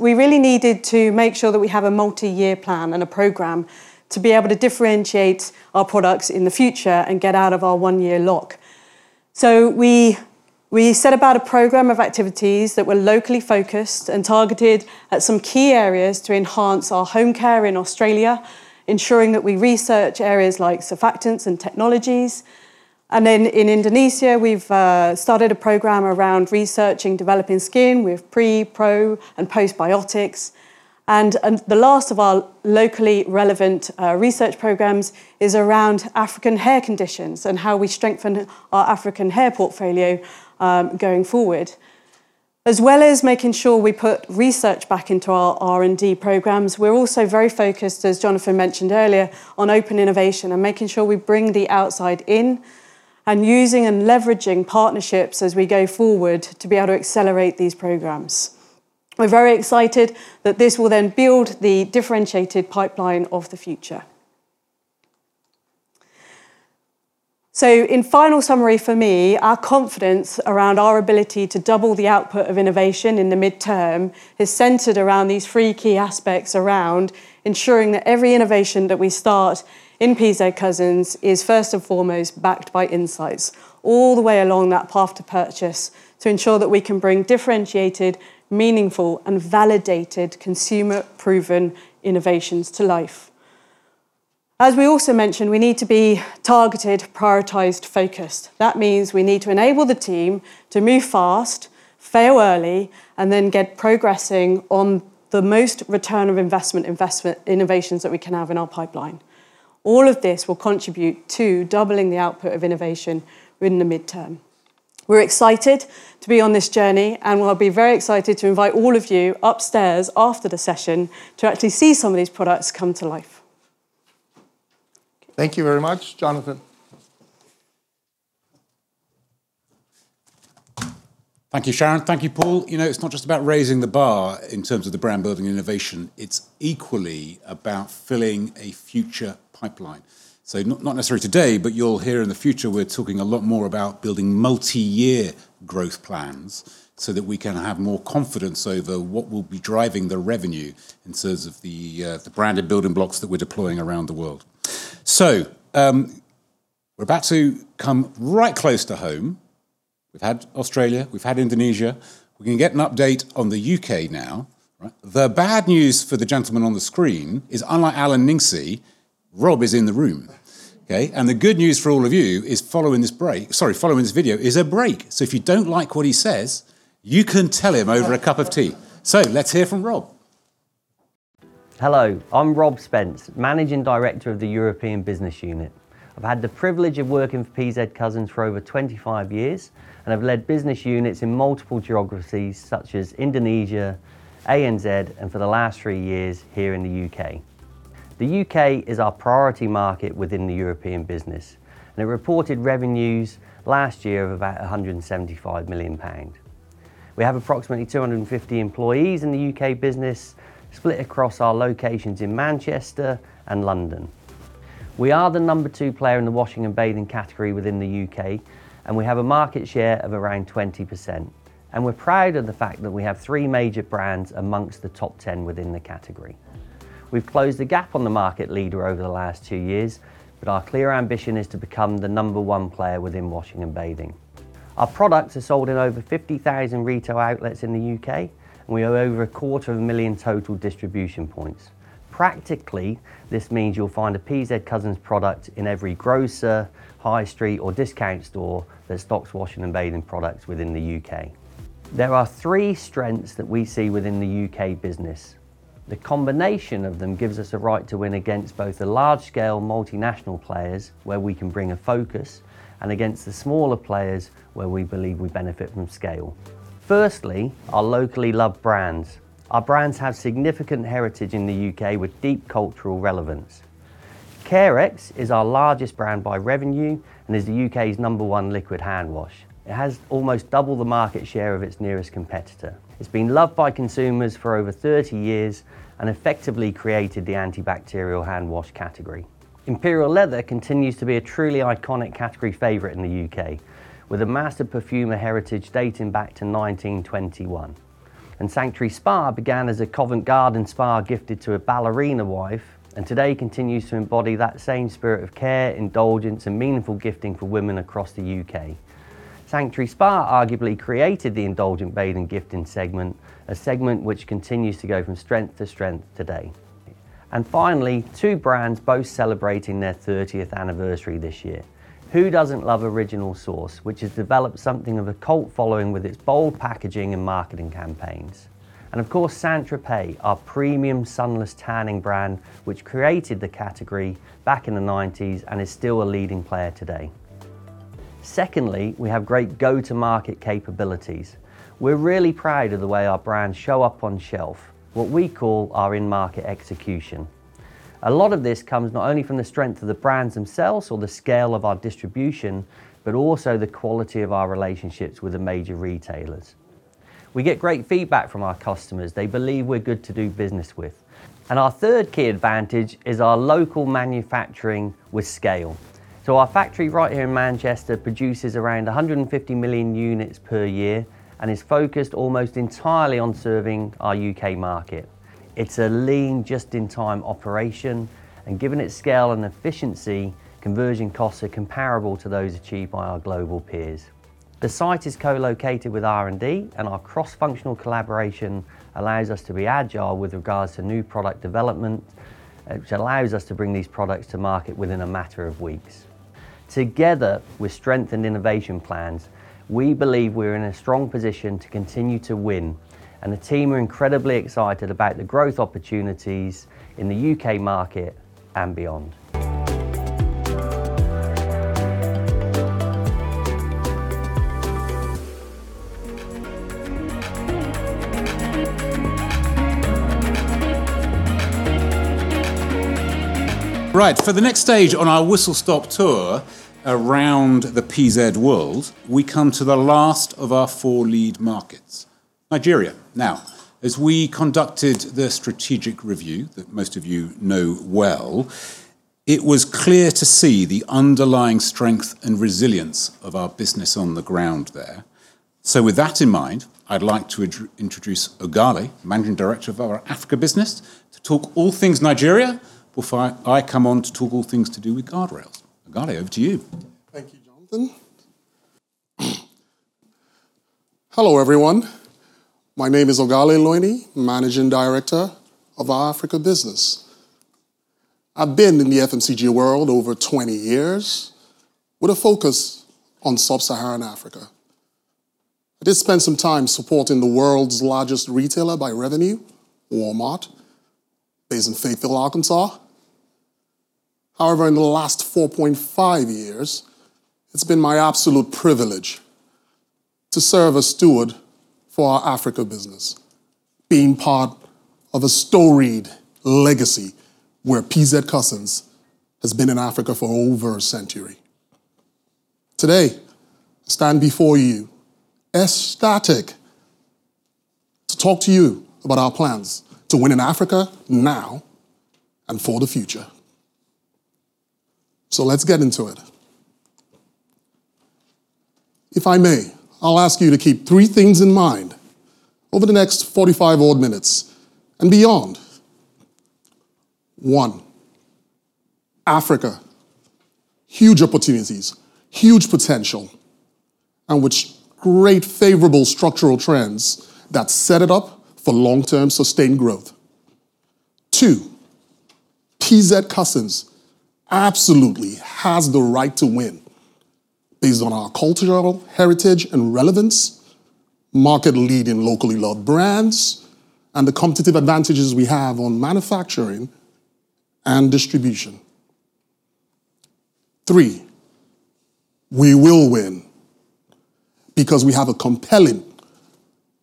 [SPEAKER 6] We really needed to make sure that we have a multi-year plan and a program to be able to differentiate our products in the future and get out of our one-year lock. We set about a program of activities that were locally focused and targeted at some key areas to enhance our home care in Australia, ensuring that we research areas like surfactants and technologies. In Indonesia we've started a program around researching developing skin with pre, pro and postbiotics. The last of our locally relevant research programs is around African hair conditions and how we strengthen our African hair portfolio going forward. As well as making sure we put research back into our R&D programs, we're also very focused, as Jonathan mentioned earlier, on open innovation and making sure we bring the outside in, and using and leveraging partnerships as we go forward to be able to accelerate these programs. We're very excited that this will then build the differentiated pipeline of the future. In final summary for me, our confidence around our ability to double the output of innovation in the midterm is centered around these three key aspects, around ensuring that every innovation that we start in PZ Cussons is first and foremost backed by insights all the way along that path to purchase, to ensure that we can bring differentiated, meaningful and validated consumer-proven innovations to life. We also mentioned, we need to be targeted, prioritized, focused. That means we need to enable the team to move fast, fail early, and then get progressing on the most return of investment innovations that we can have in our pipeline. All of this will contribute to doubling the output of innovation in the midterm. We're excited to be on this journey, and we'll be very excited to invite all of you upstairs after the session to actually see some of these products come to life.
[SPEAKER 5] Thank you very much. Jonathan.
[SPEAKER 1] Thank you, Sharon. Thank you, Paul. You know, it's not just about raising the bar in terms of the brand building innovation, it's equally about filling a future pipeline. Not necessarily today, but you'll hear in the future we're talking a lot more about building multi-year growth plans so that we can have more confidence over what will be driving the revenue in terms of the branded building blocks that we're deploying around the world. We're about to come right close to home. We've had Australia, we've had Indonesia. We're gonna get an update on the U.K. now. Right. The bad news for the gentleman on the screen is, unlike Al and Ningcy, Rob is in the room. Okay? The good news for all of you is following this video is a break. If you don't like what he says, you can tell him over a cup of tea. Let's hear from Rob.
[SPEAKER 7] Hello, I'm Rob Spence, managing director of the European Business Unit. I've had the privilege of working for PZ Cussons for over 25 years, and I've led business units in multiple geographies such as Indonesia, ANZ and for the last three years here in the U.K. The U.K. is our priority market within the European business, and it reported revenues last year of about 175 million pound. We have approximately 250 employees in the U.K. business split across our locations in Manchester and London. We are the number two player in the washing and bathing category within the U.K., and we have a market share of around 20%, and we're proud of the fact that we have three major brands amongst the top 10 within the category. We've closed the gap on the market leader over the last two years. Our clear ambition is to become the number one player within washing and bathing. Our products are sold in over 50,000 retail outlets in the U.K. We have over 250,000 million total distribution points. Practically, this means you'll find a PZ Cussons product in every grocer, high street or discount store that stocks washing and bathing products within the U.K. There are three strengths that we see within the U.K. business. The combination of them gives us a right to win against both the large-scale multinational players, where we can bring a focus. Against the smaller players, where we believe we benefit from scale. Firstly, our locally loved brands. Our brands have significant heritage in the U.K. with deep cultural relevance. Carex is our largest brand by revenue and is the U.K.'s number one liquid hand wash. It has almost double the market share of its nearest competitor. It's been loved by consumers for over 30 years and effectively created the antibacterial hand wash category. Imperial Leather continues to be a truly iconic category favorite in the U.K., with a master perfumer heritage dating back to 1921. Sanctuary Spa began as a Covent Garden spa gifted to a ballerina wife, and today continues to embody that same spirit of care, indulgence, and meaningful gifting for women across the U.K. Sanctuary Spa arguably created the indulgent bath and gifting segment, a segment which continues to go from strength to strength today. Finally, two brands both celebrating their 30th anniversary this year. Who doesn't love Original Source, which has developed something of a cult following with its bold packaging and marketing campaigns? Of course, St.Tropez, our premium sunless tanning brand, which created the category back in the 90s and is still a leading player today. Secondly, we have great go-to-market capabilities. We're really proud of the way our brands show up on shelf, what we call our in-market execution. A lot of this comes not only from the strength of the brands themselves or the scale of our distribution, but also the quality of our relationships with the major retailers. We get great feedback from our customers. They believe we're good to do business with. Our third key advantage is our local manufacturing with scale. Our factory right here in Manchester produces around 150 million units per year and is focused almost entirely on serving our U.K. market. It's a lean, just-in-time operation, and given its scale and efficiency, conversion costs are comparable to those achieved by our global peers. The site is co-located with R&D, and our cross-functional collaboration allows us to be agile with regards to new product development, which allows us to bring these products to market within a matter of weeks. Together, with strengthened innovation plans, we believe we're in a strong position to continue to win, and the team are incredibly excited about the growth opportunities in the U.K. market and beyond.
[SPEAKER 1] Right, for the next stage on our whistle stop tour around the PZ world, we come to the last of our four lead markets, Nigeria. Now, as we conducted the strategic review that most of you know well, it was clear to see the underlying strength and resilience of our business on the ground there. With that in mind, I'd like to introduce Oghale, Managing Director of our Africa business, to talk all things Nigeria before I come on to talk all things to do with guardrails. Oghale, over to you.
[SPEAKER 8] Thank you, Jonathan. Hello, everyone. My name is Oghale Elueni, Managing Director of our Africa business. I've been in the FMCG world over 20 years with a focus on Sub-Saharan Africa. I did spend some time supporting the world's largest retailer by revenue, Walmart, based in Fayetteville, Arkansas. In the last 4.5 years, it's been my absolute privilege to serve as steward for our Africa business, being part of a storied legacy where PZ Cussons has been in Africa for over a century. Today, I stand before you ecstatic to talk to you about our plans to win in Africa now and for the future. Let's get into it. If I may, I'll ask you to keep three things in mind over the next 45-odd minutes and beyond. One, Africa, huge opportunities, huge potential, and with great favorable structural trends that set it up for long-term sustained growth. Two, PZ Cussons absolutely has the right to win based on our cultural heritage and relevance, market-leading locally loved brands, and the competitive advantages we have on manufacturing and distribution. Three, we will win because we have a compelling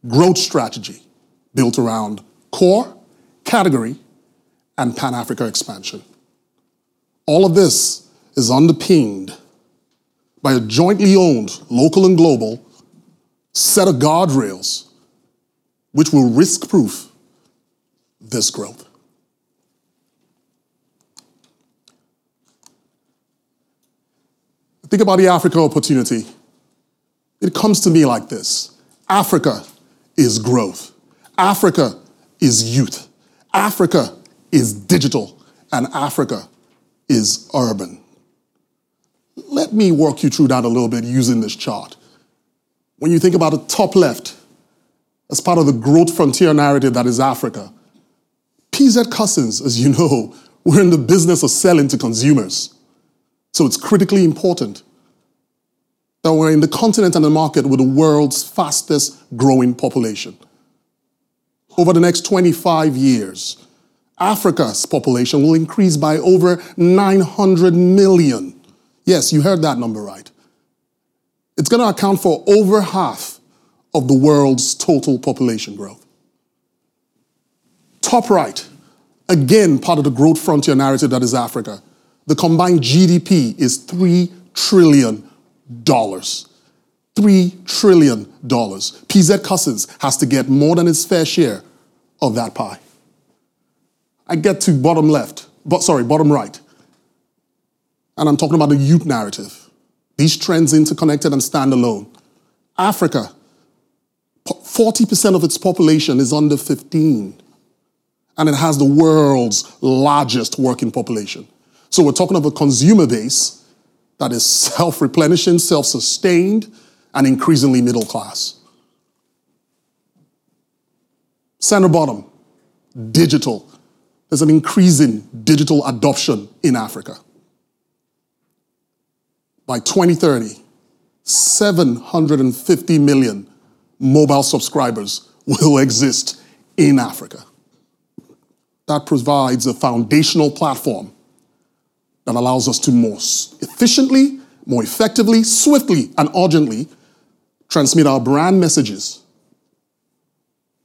[SPEAKER 8] growth strategy built around core, category, and Pan-Africa expansion. All of this is underpinned by a jointly owned, local and global, set of guardrails which will risk-proof this growth. Think about the Africa opportunity. It comes to me like this: Africa is growth. Africa is youth. Africa is digital. Africa is urban. Let me walk you through that a little bit using this chart. When you think about the top left as part of the growth frontier narrative that is Africa, PZ Cussons, as you know, we're in the business of selling to consumers, so it's critically important that we're in the continent and the market with the world's fastest growing population. Over the next 25 years, Africa's population will increase by over 900 million. Yes, you heard that number right. It's gonna account for over half of the world's total population growth. Top right, again, part of the growth frontier narrative that is Africa. The combined GDP is $3 trillion. $3 trillion. PZ Cussons has to get more than its fair share of that pie. I get to bottom left. Sorry, bottom right, and I'm talking about the youth narrative. These trends interconnected and standalone. Africa, 40% of its population is under 15, and it has the world's largest working population. We're talking of a consumer base that is self-replenishing, self-sustained, and increasingly middle class. Center bottom, digital. There's an increase in digital adoption in Africa. By 2030, 750 million mobile subscribers will exist in Africa. That provides a foundational platform that allows us to more efficiently, more effectively, swiftly, and urgently transmit our brand messages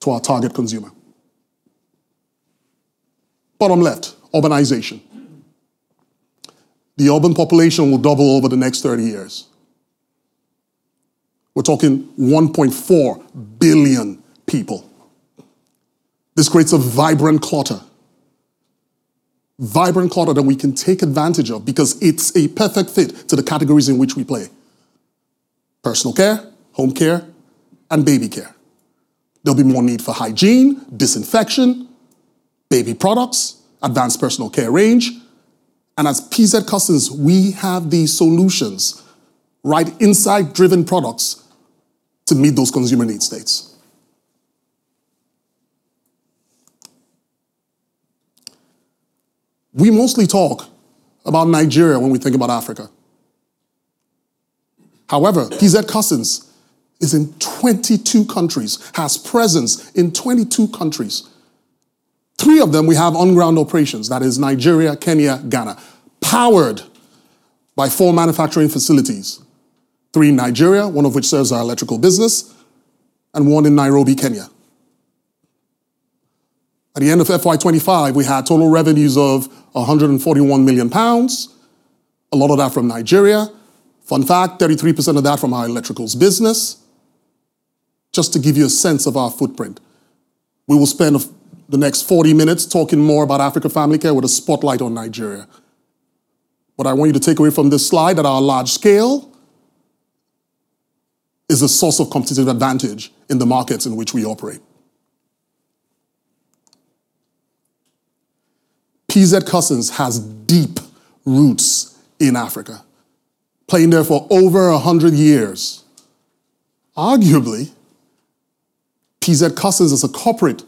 [SPEAKER 8] to our target consumer. Bottom left, urbanization. The urban population will double over the next 30 years. We're talking 1.4 billion people. This creates a vibrant clutter. Vibrant clutter that we can take advantage of because it's a perfect fit to the categories in which we play, personal care, home care, and baby care. There'll be more need for hygiene, disinfection, baby products, advanced personal care range. As PZ Cussons, we have the solutions, right insight-driven products to meet those consumer need states. We mostly talk about Nigeria when we think about Africa. However, PZ Cussons is in 22 countries, has presence in 22 countries. Three of them, we have on-ground operations. That is Nigeria, Kenya, Ghana, powered by four manufacturing facilities. Three in Nigeria, one of which serves our electrical business, and one in Nairobi, Kenya. At the end of FY 2025, we had total revenues of 141 million pounds, a lot of that from Nigeria. Fun fact, 33% of that from our electricals business. Just to give you a sense of our footprint. We will spend the next 40 minutes talking more about Africa Family Care with a spotlight on Nigeria. What I want you to take away from this slide at our large scale is a source of competitive advantage in the markets in which we operate. PZ Cussons has deep roots in Africa, playing there for over 100 years. Arguably, PZ Cussons as a corporate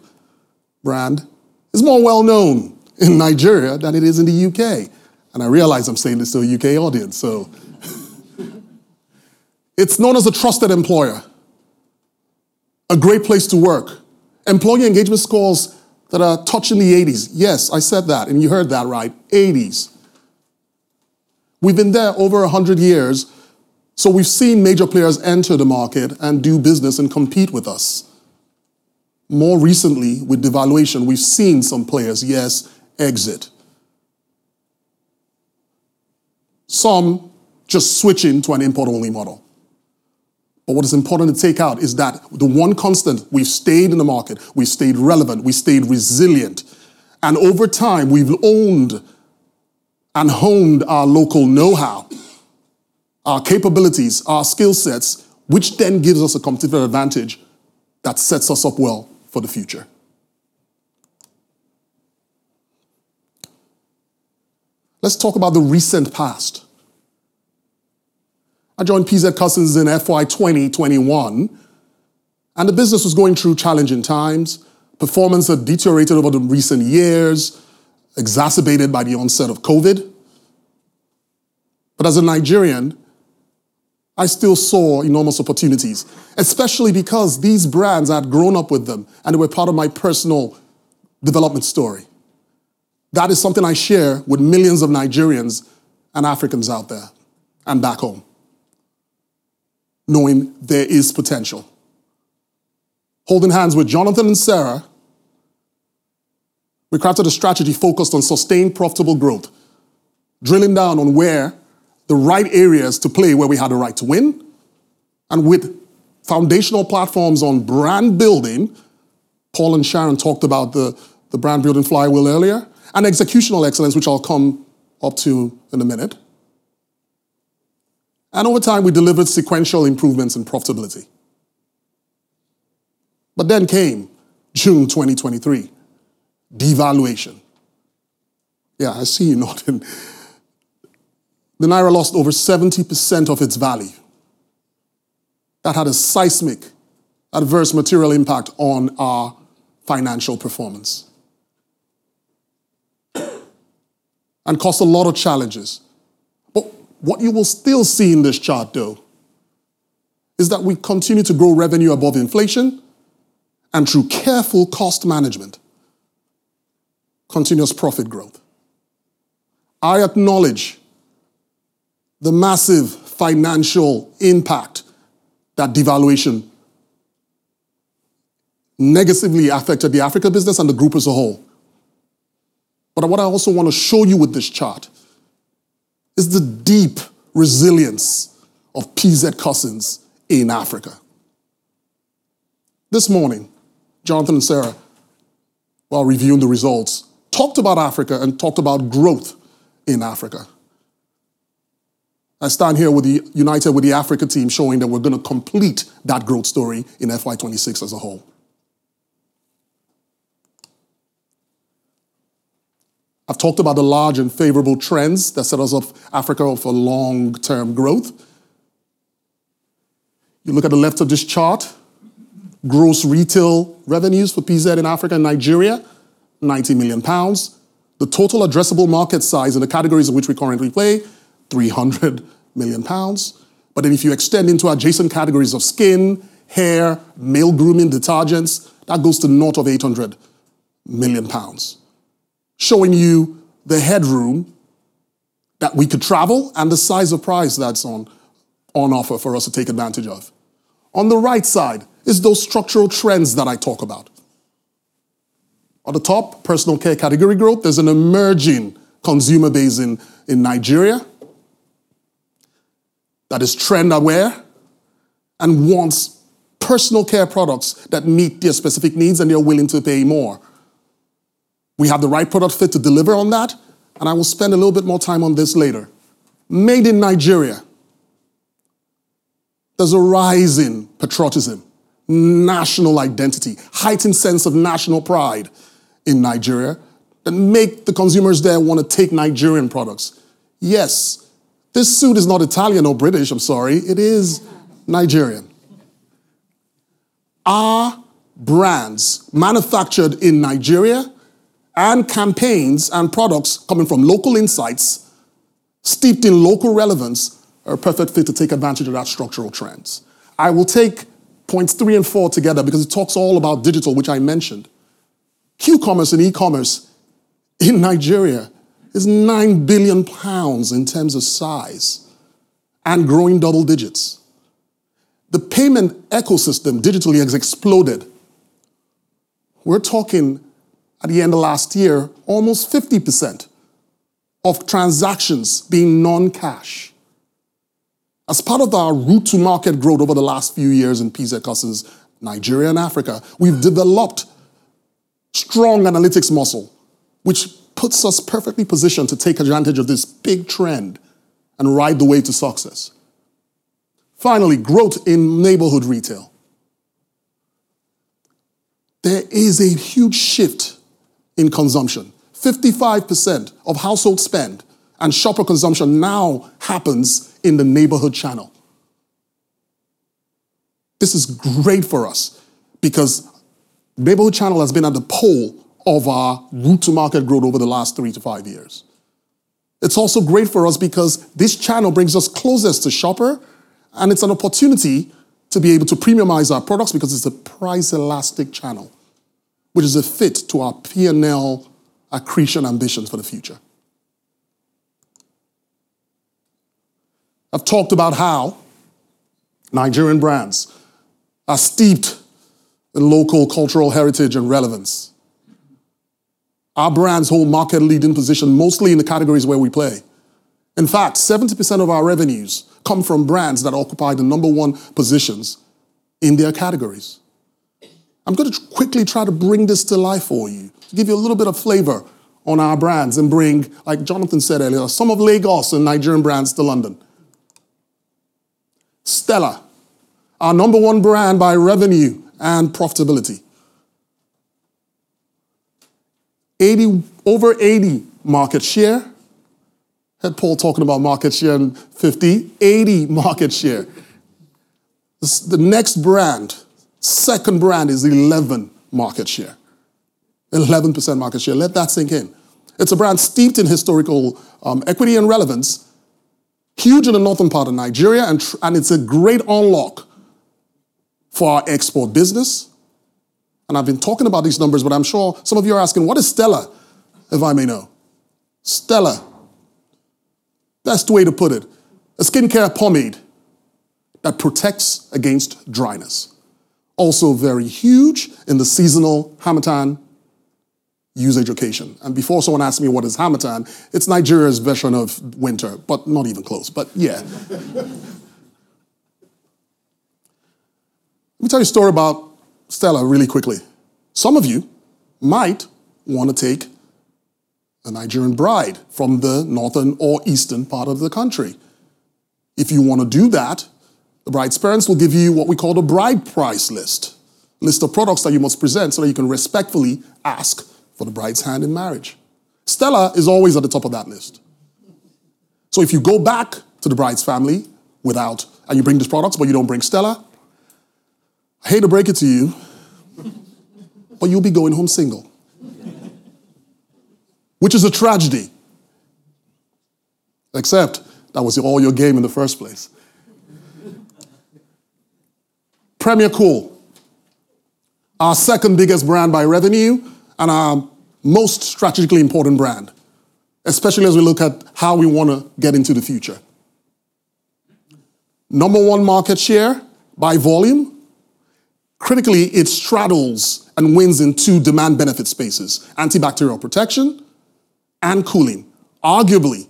[SPEAKER 8] brand is more well-known in Nigeria than it is in the U.K. I realize I'm saying this to a U.K. audience. It's known as a trusted employer, a great place to work. Employee engagement scores that are touching the 1980s. Yes, I said that. You heard that right, 1980s. We've been there over 100 years. We've seen major players enter the market and do business and compete with us. More recently, with devaluation, we've seen some players, yes, exit. Some just switching to an import-only model. What is important to take out is that the one constant, we stayed in the market, we stayed relevant, we stayed resilient, and over time, we've owned and honed our local know-how, our capabilities, our skill sets, which then gives us a competitive advantage that sets us up well for the future. Let's talk about the recent past. I joined PZ Cussons in FY 2021, and the business was going through challenging times. Performance had deteriorated over the recent years, exacerbated by the onset of COVID. As a Nigerian, I still saw enormous opportunities, especially because these brands, I'd grown up with them, and they were part of my personal development story. That is something I share with millions of Nigerians and Africans out there and back home, knowing there is potential. Holding hands with Jonathan and Sarah, we crafted a strategy focused on sustained, profitable growth, drilling down on where the right areas to play, where we had a right to win, and with foundational platforms on brand building. Paul and Sharon talked about the brand building flywheel earlier, and executional excellence, which I'll come up to in a minute. Over time, we delivered sequential improvements in profitability. Came June 2023, devaluation. Yeah, I see you nodding. The Naira lost over 70% of its value. That had a seismic adverse material impact on our financial performance and caused a lot of challenges. What you will still see in this chart, though, is that we continue to grow revenue above inflation and through careful cost management. Continuous profit growth. I acknowledge the massive financial impact that devaluation negatively affected the Africa business and the group as a whole. What I also want to show you with this chart is the deep resilience of PZ Cussons in Africa. This morning, Jonathan and Sarah, while reviewing the results, talked about Africa and talked about growth in Africa. I stand here united with the Africa team, showing that we're gonna complete that growth story in FY 2026 as a whole. I've talked about the large and favorable trends that set us up Africa for long-term growth. You look at the left of this chart, gross retail revenues for PZ in Africa and Nigeria, 90 million pounds. The total addressable market size in the categories in which we currently play, 300 million pounds. If you extend into adjacent categories of skin, hair, male grooming, detergents, that goes to north of 800 million pounds. Showing you the headroom that we could travel and the size of prize that's on offer for us to take advantage of. On the right side is those structural trends that I talk about. At the top, personal care category growth. There's an emerging consumer base in Nigeria that is trend-aware and wants personal care products that meet their specific needs, and they're willing to pay more. We have the right product fit to deliver on that, and I will spend a little bit more time on this later. Made in Nigeria. There's a rise in patriotism, national identity, heightened sense of national pride in Nigeria that make the consumers there wanna take Nigerian products. Yes, this suit is not Italian or British, I'm sorry. It is Nigerian. Our brands manufactured in Nigeria and campaigns and products coming from local insights steeped in local relevance are a perfect fit to take advantage of that structural trends. I will take points three and four together because it talks all about digital, which I mentioned. Q-commerce and e-commerce in Nigeria is 9 billion pounds in terms of size and growing double digits. The payment ecosystem digitally has exploded. We're talking at the end of last year, almost 50% of transactions being non-cash. As part of our route to market growth over the last few years in PZ Cussons, Nigeria, and Africa, we've developed strong analytics muscle, which puts us perfectly positioned to take advantage of this big trend and ride the way to success. Finally, growth in neighborhood retail. There is a huge shift in consumption. 55% of household spend and shopper consumption now happens in the neighborhood channel. This is great for us because neighborhood channel has been at the pole of our route to market growth over the last three to five years. It's also great for us because this channel brings us closest to shopper, and it's an opportunity to be able to premiumize our products because it's a price elastic channel, which is a fit to our P&L accretion ambitions for the future. I've talked about how Nigerian brands are steeped in local cultural heritage and relevance. Our brands hold market leading position mostly in the categories where we play. In fact, 70% of our revenues come from brands that occupy the number one positions in their categories. I'm gonna quickly try to bring this to life for you, to give you a little bit of flavor on our brands and bring, like Jonathan said earlier, some of Lagos and Nigerian brands to London. Stella, our number one brand by revenue and profitability. Over 80% market share. Heard Paul talking about market share and 50%. 80% market share. The next brand, second brand is 11% market share. 11% market share. Let that sink in. It's a brand steeped in historical equity and relevance, huge in the northern part of Nigeria, and it's a great unlock for our export business. I've been talking about these numbers, but I'm sure some of you are asking, what is Stella, if I may know? Stella. Best way to put it, a skincare pomade that protects against dryness. Also very huge in the seasonal Harmattan usage occasion. Before someone asks me what is Harmattan, it's Nigeria's version of winter, but not even close. Yeah. Let me tell you a story about Stella really quickly. Some of you might wanna take a Nigerian bride from the northern or eastern part of the country. If you wanna do that, the bride's parents will give you what we call the bride price list. List of products that you must present so that you can respectfully ask for the bride's hand in marriage. Stella is always at the top of that list. If you go back to the bride's family and you bring these products, but you don't bring Stella, I hate to break it to you, but you'll be going home single. Is a tragedy, except that was all your game in the first place. Premier Cool, our second biggest brand by revenue and our most strategically important brand, especially as we look at how we wanna get into the future. Number one market share by volume. Critically, it straddles and wins in two demand benefit spaces, antibacterial protection and cooling. Arguably,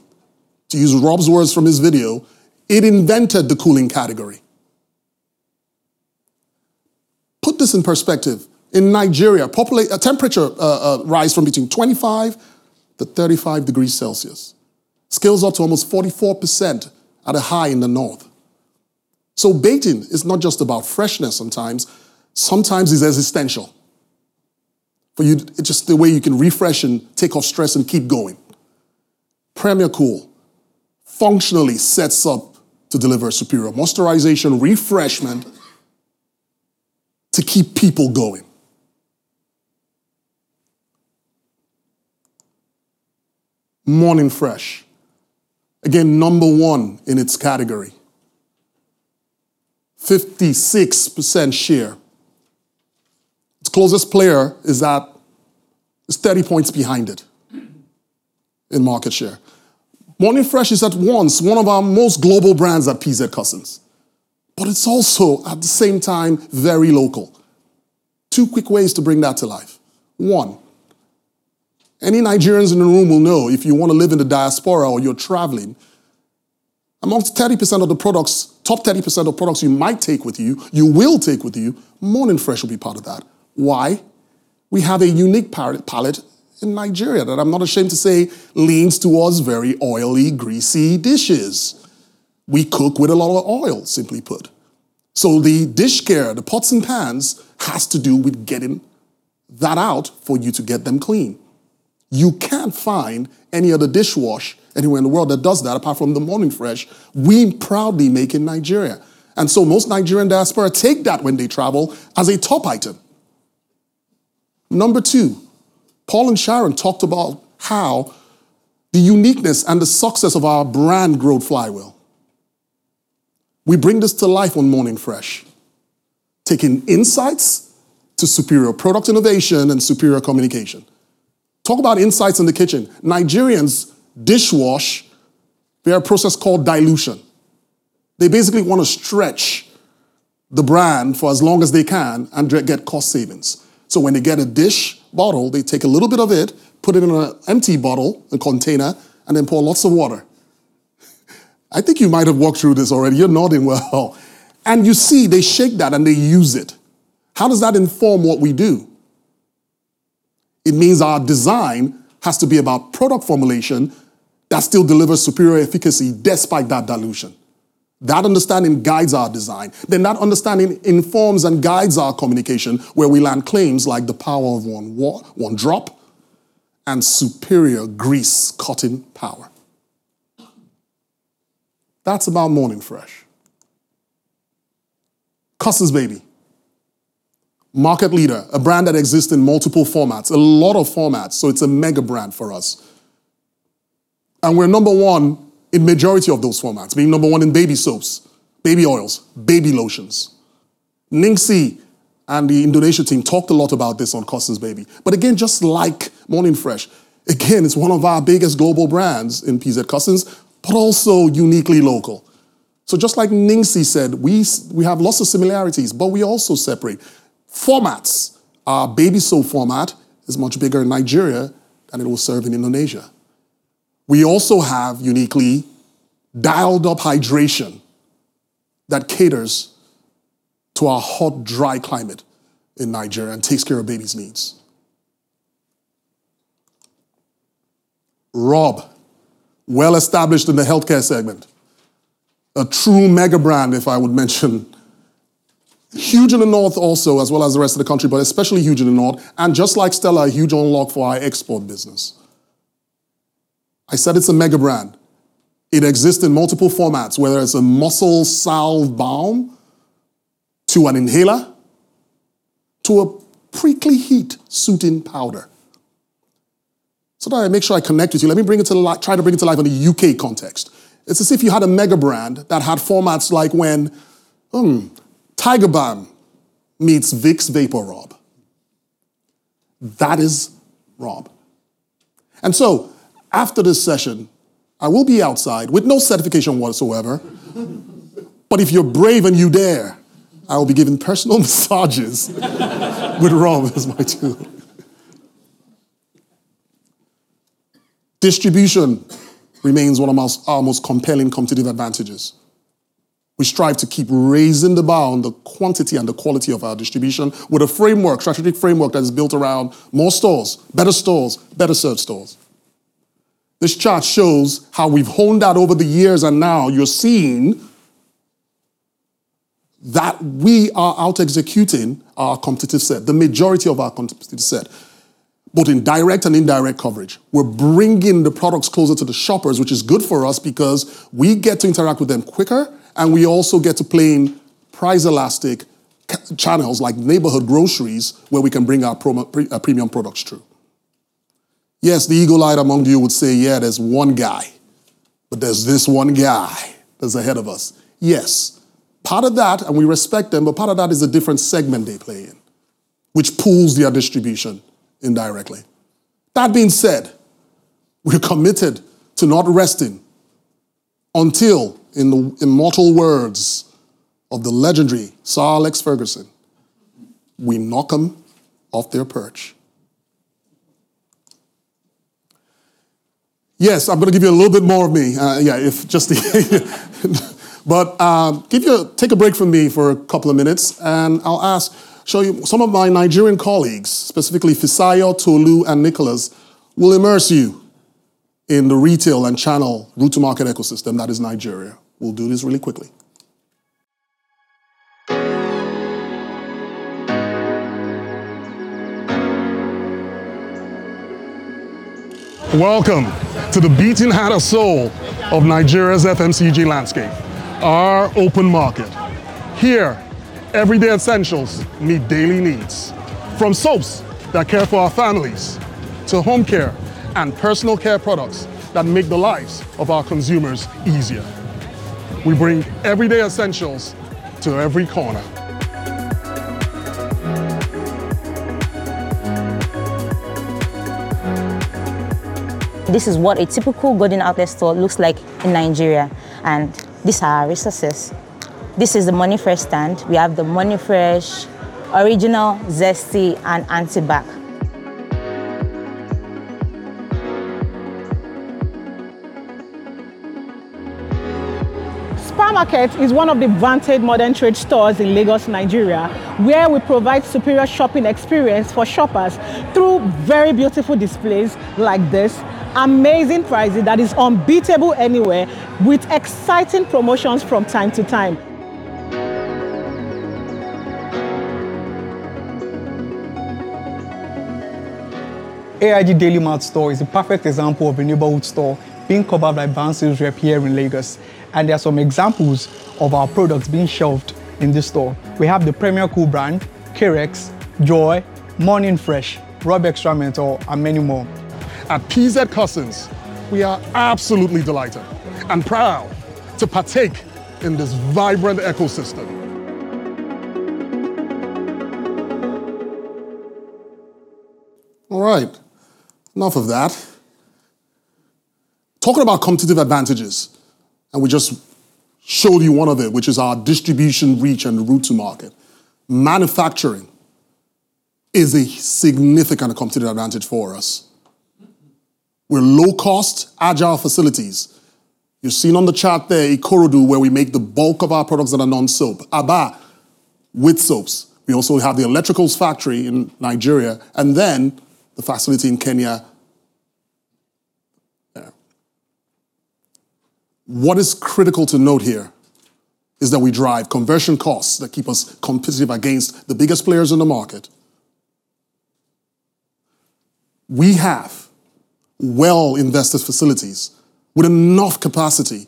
[SPEAKER 8] to use Rob's words from his video, it invented the cooling category. Put this in perspective. In Nigeria, a temperature rise from between 25 to 35 degrees Celsius scales up to almost 44% at a high in the north. Beating is not just about freshness sometimes it's existential. For you, it's just the way you can refresh and take off stress and keep going. Premier Cool functionally sets up to deliver superior moisturization refreshment to keep people going. Morning Fresh. Number one in its category. 56% share. Its closest player is at 30 points behind it in market share. Morning Fresh is at once one of our most global brands at PZ Cussons, but it's also, at the same time, very local. Two quick ways to bring that to life. One, any Nigerians in the room will know if you wanna live in the diaspora or you're traveling, amongst 30% of the products, top 30% of products you might take with you will take with you, Morning Fresh will be part of that. Why? We have a unique palette in Nigeria that I'm not ashamed to say leans towards very oily, greasy dishes. We cook with a lot of oil, simply put. The dish care, the pots and pans, has to do with getting that out for you to get them clean. You can't find any other dishwash anywhere in the world that does that apart from the Morning Fresh we proudly make in Nigeria. Most Nigerian diaspora take that when they travel as a top item. Number two, Paul and Sharon talked about how the uniqueness and the success of our brand grow flywheel. We bring this to life on Morning Fresh, taking insights to superior product innovation and superior communication. Talk about insights in the kitchen. Nigerians dishwash via a process called dilution. They basically wanna stretch the brand for as long as they can and get cost savings. When they get a dish bottle, they take a little bit of it, put it in a empty bottle or container, and then pour lots of water. I think you might have walked through this already. You're nodding well. You see they shake that, and they use it. How does that inform what we do? It means our design has to be about product formulation that still delivers superior efficacy despite that dilution. That understanding guides our design. That understanding informs and guides our communication, where we land claims like the power of one drop and superior grease cutting power. That's about Morning Fresh. Cussons Baby. Market leader. A brand that exists in multiple formats, a lot of formats, so it's a mega brand for us. We're number one in majority of those formats, being number one in baby soaps, baby oils, baby lotions. Ningcy and the Indonesia team talked a lot about this on Cussons Baby. Again, just like Morning Fresh, again, it's one of our biggest global brands in PZ Cussons, but also uniquely local. Just like Ningcy said, we have lots of similarities, but we also separate. Formats. Our baby soap format is much bigger in Nigeria than it will serve in Indonesia. We also have uniquely dialed up hydration that caters to our hot, dry climate in Nigeria and takes care of babies' needs. Robb. Well established in the healthcare segment. A true mega brand, if I would mention. Huge in the North also, as well as the rest of the country, but especially huge in the North. Just like Stella, a huge unlock for our export business. I said it's a mega brand. It exists in multiple formats, whether it's a muscle salve balm to an inhaler to a prickly heat soothing powder. That I make sure I connect with you, let me try to bring it to life in a U.K. context. It's as if you had a mega brand that had formats like when Tiger Balm meets Vicks VapoRub. That is Robb. After this session, I will be outside with no certification whatsoever. If you're brave and you dare, I will be giving personal massages with Robb as my tool. Distribution remains one of our most compelling competitive advantages. We strive to keep raising the bar on the quantity and the quality of our distribution with a framework, strategic framework that is built around more stores, better stores, better served stores. This chart shows how we've honed that over the years, now you're seeing that we are out-executing our competitive set, the majority of our competitive set, both in direct and indirect coverage. We're bringing the products closer to the shoppers, which is good for us because we get to interact with them quicker, and we also get to play in price elastic channels like neighborhood groceries, where we can bring our premium products through. The eagle-eyed among you would say, "Yeah, there's one guy, but there's this one guy that's ahead of us." Part of that, and we respect them, but part of that is a different segment they play in which pools their distribution indirectly. That being said, we're committed to not resting until, in the immortal words of the legendary Sir Alex Ferguson, we knock them off their perch. I'm gonna give you a little bit more of me. Yeah, if just the but, take a break from me for a couple of minutes and I'll show you some of my Nigerian colleagues, specifically Fisayo, Tolu, and Nicholas will immerse you in the retail and channel route-to-market ecosystem that is Nigeria. We'll do this really quickly. Welcome to the beating heart and soul of Nigeria's FMCG landscape, our open market. Here, everyday essentials meet daily needs. From soaps that care for our families, to home care and personal care products that make the lives of our consumers easier. We bring everyday essentials to every corner.
[SPEAKER 9] This is what a typical garden outlet store looks like in Nigeria. These are our resources. This is the Morning Fresh stand. We have the Morning Fresh original, zesty, and anti-bac. SPAR Market is one of the vantage modern trade stores in Lagos, Nigeria, where we provide superior shopping experience for shoppers through very beautiful displays like this, amazing pricing that is unbeatable anywhere, with exciting promotions from time to time. AIG Daily Mart store is a perfect example of a neighborhood store being covered by advanced sales rep here in Lagos. There are some examples of our products being shelved in this store. We have the Premier Cool brand, Carex, Joy, Morning Fresh, Robb Extra Menthol, and many more.
[SPEAKER 8] At PZ Cussons, we are absolutely delighted and proud to partake in this vibrant ecosystem. All right. Enough of that. Talking about competitive advantages, and we just showed you one of it, which is our distribution reach and route to market. Manufacturing is a significant competitive advantage for us. We're low cost, agile facilities. You've seen on the chart there Ikorodu, where we make the bulk of our products that are non-soap. Aba with soaps. We also have the electricals factory in Nigeria, and then the facility in Kenya. Yeah. What is critical to note here is that we drive conversion costs that keep us competitive against the biggest players in the market. We have well invested facilities with enough capacity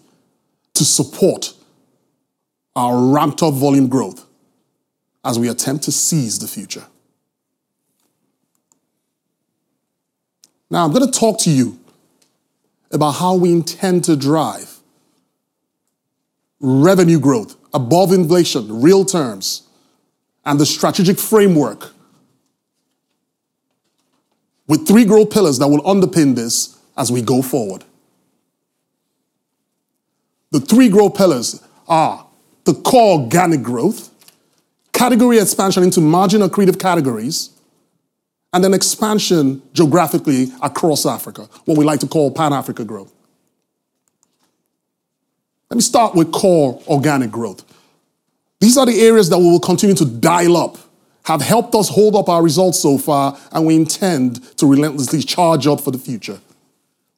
[SPEAKER 8] to support our ramped up volume growth as we attempt to seize the future. Now, I'm going to talk to you about how we intend to drive revenue growth above inflation, real terms, and the strategic framework with three growth pillars that will underpin this as we go forward. The three growth pillars are the core organic growth, category expansion into margin-accretive categories, and then expansion geographically across Africa, what we like to call pan-Africa growth. Let me start with core organic growth. These are the areas that we will continue to dial up, have helped us hold up our results so far, and we intend to relentlessly charge up for the future.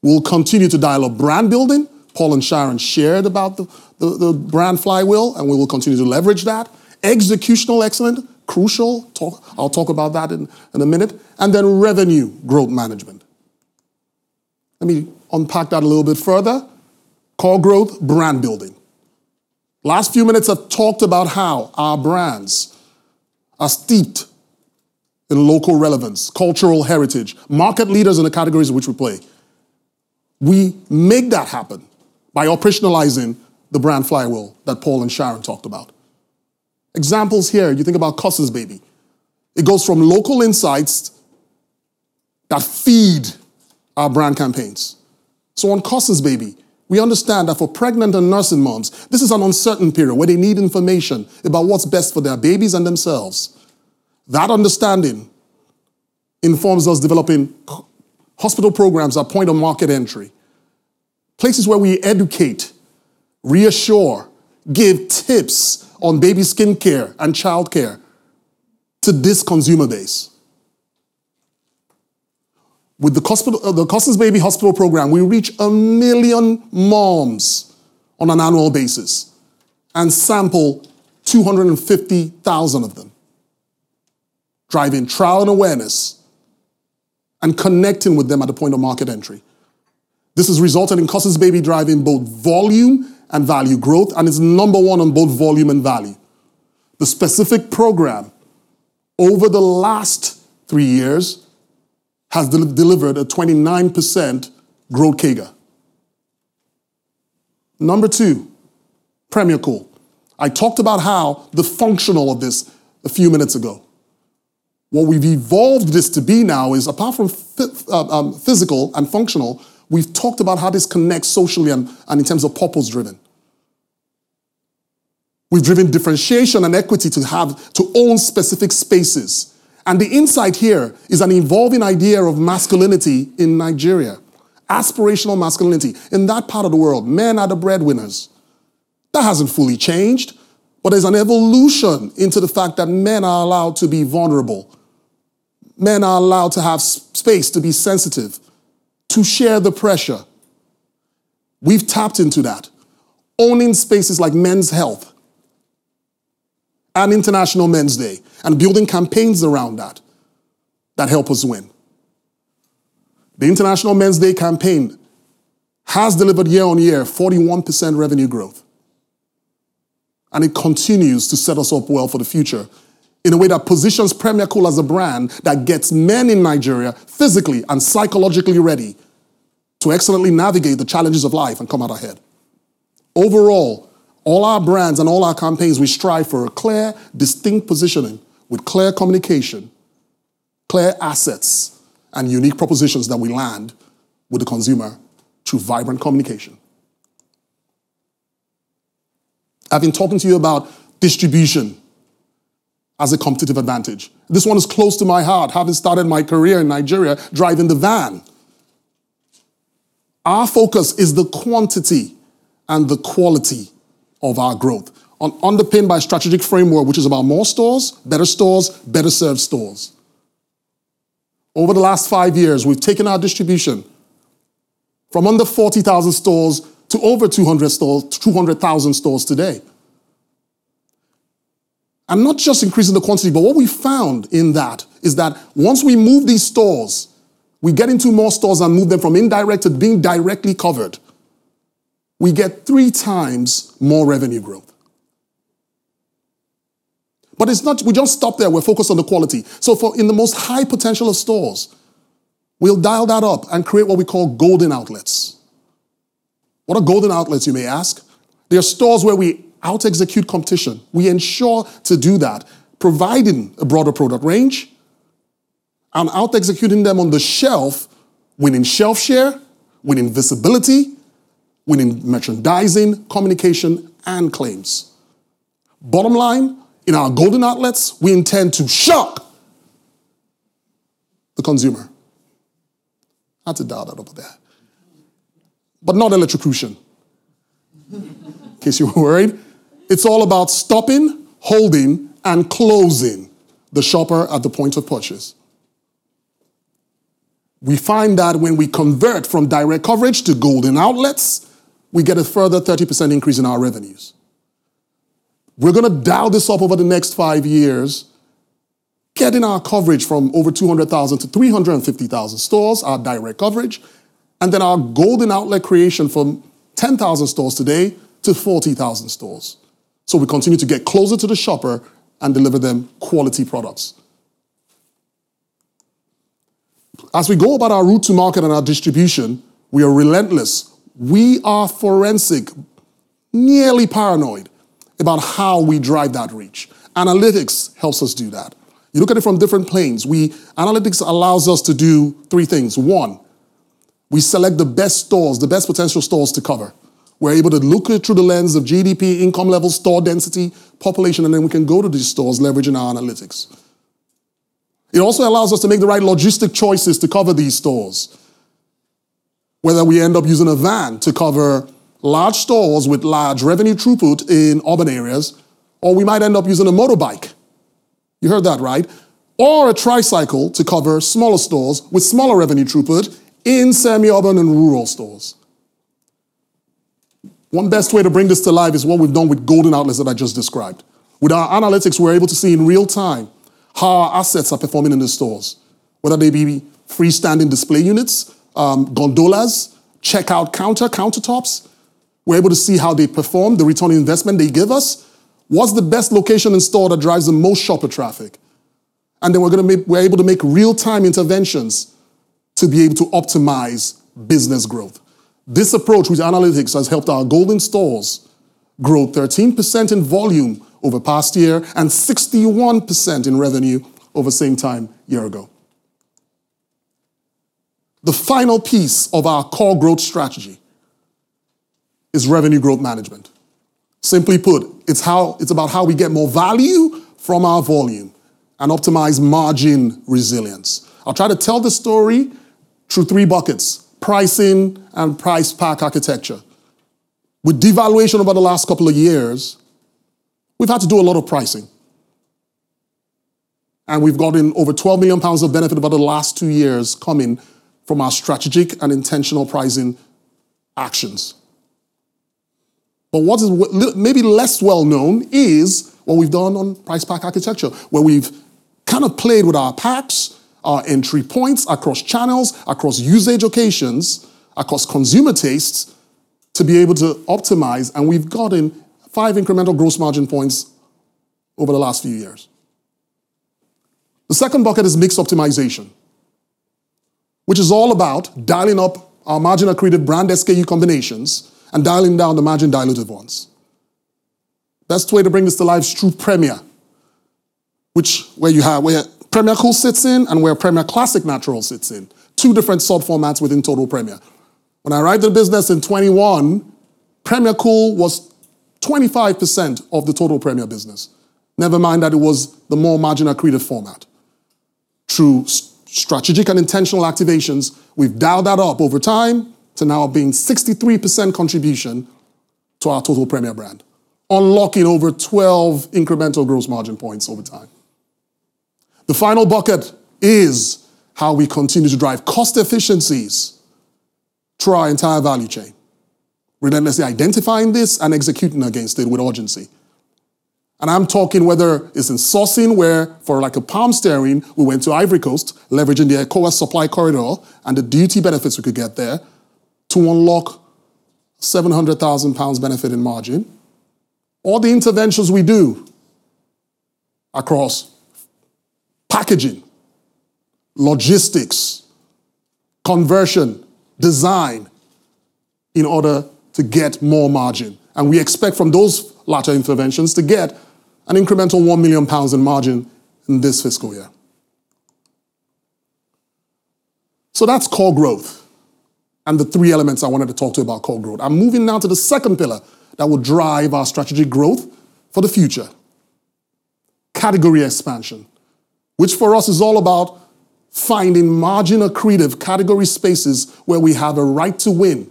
[SPEAKER 8] We'll continue to dial up brand building. Paul and Sharon shared about the brand flywheel, and we will continue to leverage that. Executional excellence, crucial. I'll talk about that in a minute. Revenue growth management. Let me unpack that a little bit further. Core growth, brand building. Last few minutes, I've talked about how our brands are steeped in local relevance, cultural heritage, market leaders in the categories in which we play. We make that happen by operationalizing the brand flywheel that Paul and Sharon talked about. Examples here, you think about Cussons Baby. It goes from local insights that feed our brand campaigns. On Cussons Baby, we understand that for pregnant and nursing moms, this is an uncertain period where they need information about what's best for their babies and themselves. That understanding informs us developing hospital programs at point of market entry, places where we educate, reassure, give tips on baby skincare and childcare to this consumer base. With the Cussons Baby Hospital program, we reach one million moms on an annual basis and sample 250,000 of them, driving trial and awareness and connecting with them at a point of market entry. This has resulted in Cussons Baby driving both volume and value growth and is number one on both volume and value. The specific program over the last three years has de-delivered a 29% growth CAGR. Number two, Premier Cool. I talked about how the functional of this a few minutes ago. What we've evolved this to be now is apart from physical and functional, we've talked about how this connects socially and in terms of purpose-driven. We've driven differentiation and equity to have to own specific spaces, and the insight here is an evolving idea of masculinity in Nigeria, aspirational masculinity. In that part of the world, men are the breadwinners. That hasn't fully changed, there's an evolution into the fact that men are allowed to be vulnerable. Men are allowed to have space to be sensitive, to share the pressure. We've tapped into that, owning spaces like men's health and International Men's Day and building campaigns around that that help us win. The International Men's Day campaign has delivered year-on-year 41% revenue growth, it continues to set us up well for the future in a way that positions Premier Cool as a brand that gets men in Nigeria physically and psychologically ready to excellently navigate the challenges of life and come out ahead. Overall, all our brands and all our campaigns, we strive for a clear, distinct positioning with clear communication, clear assets, and unique propositions that we land with the consumer through vibrant communication. I've been talking to you about distribution as a competitive advantage. This one is close to my heart, having started my career in Nigeria driving the van. Our focus is the quantity and the quality of our growth underpinned by a strategic framework, which is about more stores, better stores, better served stores. Over the last five years, we've taken our distribution from under 40,000 stores to over 200,000 stores today. Not just increasing the quantity, but what we found in that is that once we move these stores, we get into more stores and move them from indirect to being directly covered, we get three times more revenue growth. We don't stop there. We're focused on the quality. For in the most high potential of stores, we'll dial that up and create what we call golden outlets. What are golden outlets you may ask? They are stores where we out-execute competition. We ensure to do that, providing a broader product range and out-executing them on the shelf, winning shelf share, winning visibility, winning merchandising, communication, and claims. Bottom line, in our golden outlets, we intend to shock the consumer. I had to dial that up a bit. Not electrocution. In case you were worried. It's all about stopping, holding, and closing the shopper at the point of purchase. We find that when we convert from direct coverage to golden outlets, we get a further 30% increase in our revenues. We're gonna dial this up over the next five years, getting our coverage from over 200,000 to 350,000 stores, our direct coverage, and then our golden outlet creation from 10,000 stores today to 40,000 stores. We continue to get closer to the shopper and deliver them quality products. As we go about our route to market and our distribution, we are relentless. We are forensic, nearly paranoid about how we drive that reach. Analytics helps us do that. You look at it from different planes. Analytics allows us to do three things. One, we select the best stores, the best potential stores to cover. We're able to look it through the lens of GDP, income level, store density, population, and then we can go to these stores leveraging our analytics. It also allows us to make the right logistic choices to cover these stores, whether we end up using a van to cover large stores with large revenue throughput in urban areas, or we might end up using a motorbike. You heard that right. A tricycle to cover smaller stores with smaller revenue throughput in semi-urban and rural stores. One best way to bring this to life is what we've done with golden stores that I just described. With our analytics, we're able to see in real time how our assets are performing in the stores, whether they be freestanding display units, gondolas, checkout counter, countertops. We're able to see how they perform, the return on investment they give us, what's the best location in store that drives the most shopper traffic, and then we're able to make real-time interventions to be able to optimize business growth. This approach with analytics has helped our golden stores grow 13% in volume over the past year and 61% in revenue over same time year-ago. The final piece of our core growth strategy is revenue growth management. Simply put, it's about how we get more value from our volume and optimize margin resilience. I'll try to tell the story through three buckets, pricing and price pack architecture. With devaluation over the last couple of years, we've had to do a lot of pricing, and we've gotten over 12 million pounds of benefit over the last two years coming from our strategic and intentional pricing actions. What is maybe less well known is what we've done on price pack architecture, where we've kind of played with our packs, our entry points across channels, across usage occasions, across consumer tastes to be able to optimize, and we've gotten five incremental gross margin points over the last few years. The second bucket is mix optimization, which is all about dialing up our margin-accretive brand SKU combinations and dialing down the margin-dilutive ones. Best way to bring this to life is through Premier, where Premier Cool sits in and where Premier Classic Natural sits in, two different subformats within total Premier. I arrived at the business in 2021, Premier Cool was 25% of the total Premier business. Never mind that it was the more margin-accretive format. Through strategic and intentional activations, we've dialed that up over time to now being 63% contribution to our total Premier brand, unlocking over 12 incremental gross margin points over time. The final bucket is how we continue to drive cost efficiencies through our entire value chain, relentlessly identifying this and executing against it with urgency. I'm talking whether it's in sourcing, where for like a palm stearin, we went to Ivory Coast, leveraging their ECOWAS supply corridor and the duty benefits we could get there to unlock 700,000 pounds benefit in margin, or the interventions we do across packaging, logistics, conversion, design in order to get more margin. We expect from those latter interventions to get an incremental 1 million pounds in margin in this fiscal year. That's core growth and the three elements I wanted to talk to you about core growth. I'm moving now to the second pillar that will drive our strategic growth for the future, category expansion, which for us is all about finding margin-accretive category spaces where we have a right to win.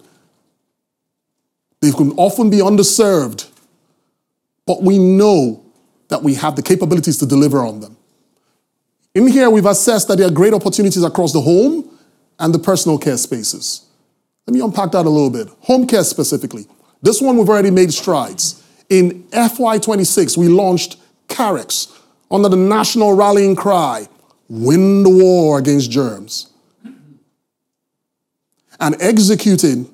[SPEAKER 8] They can often be underserved, but we know that we have the capabilities to deliver on them. In here, we've assessed that there are great opportunities across the home and the personal care spaces. Let me unpack that a little bit. Home care specifically. This one we've already made strides. In FY 2026, we launched Carex under the national rallying cry, "Win the war against germs." Executing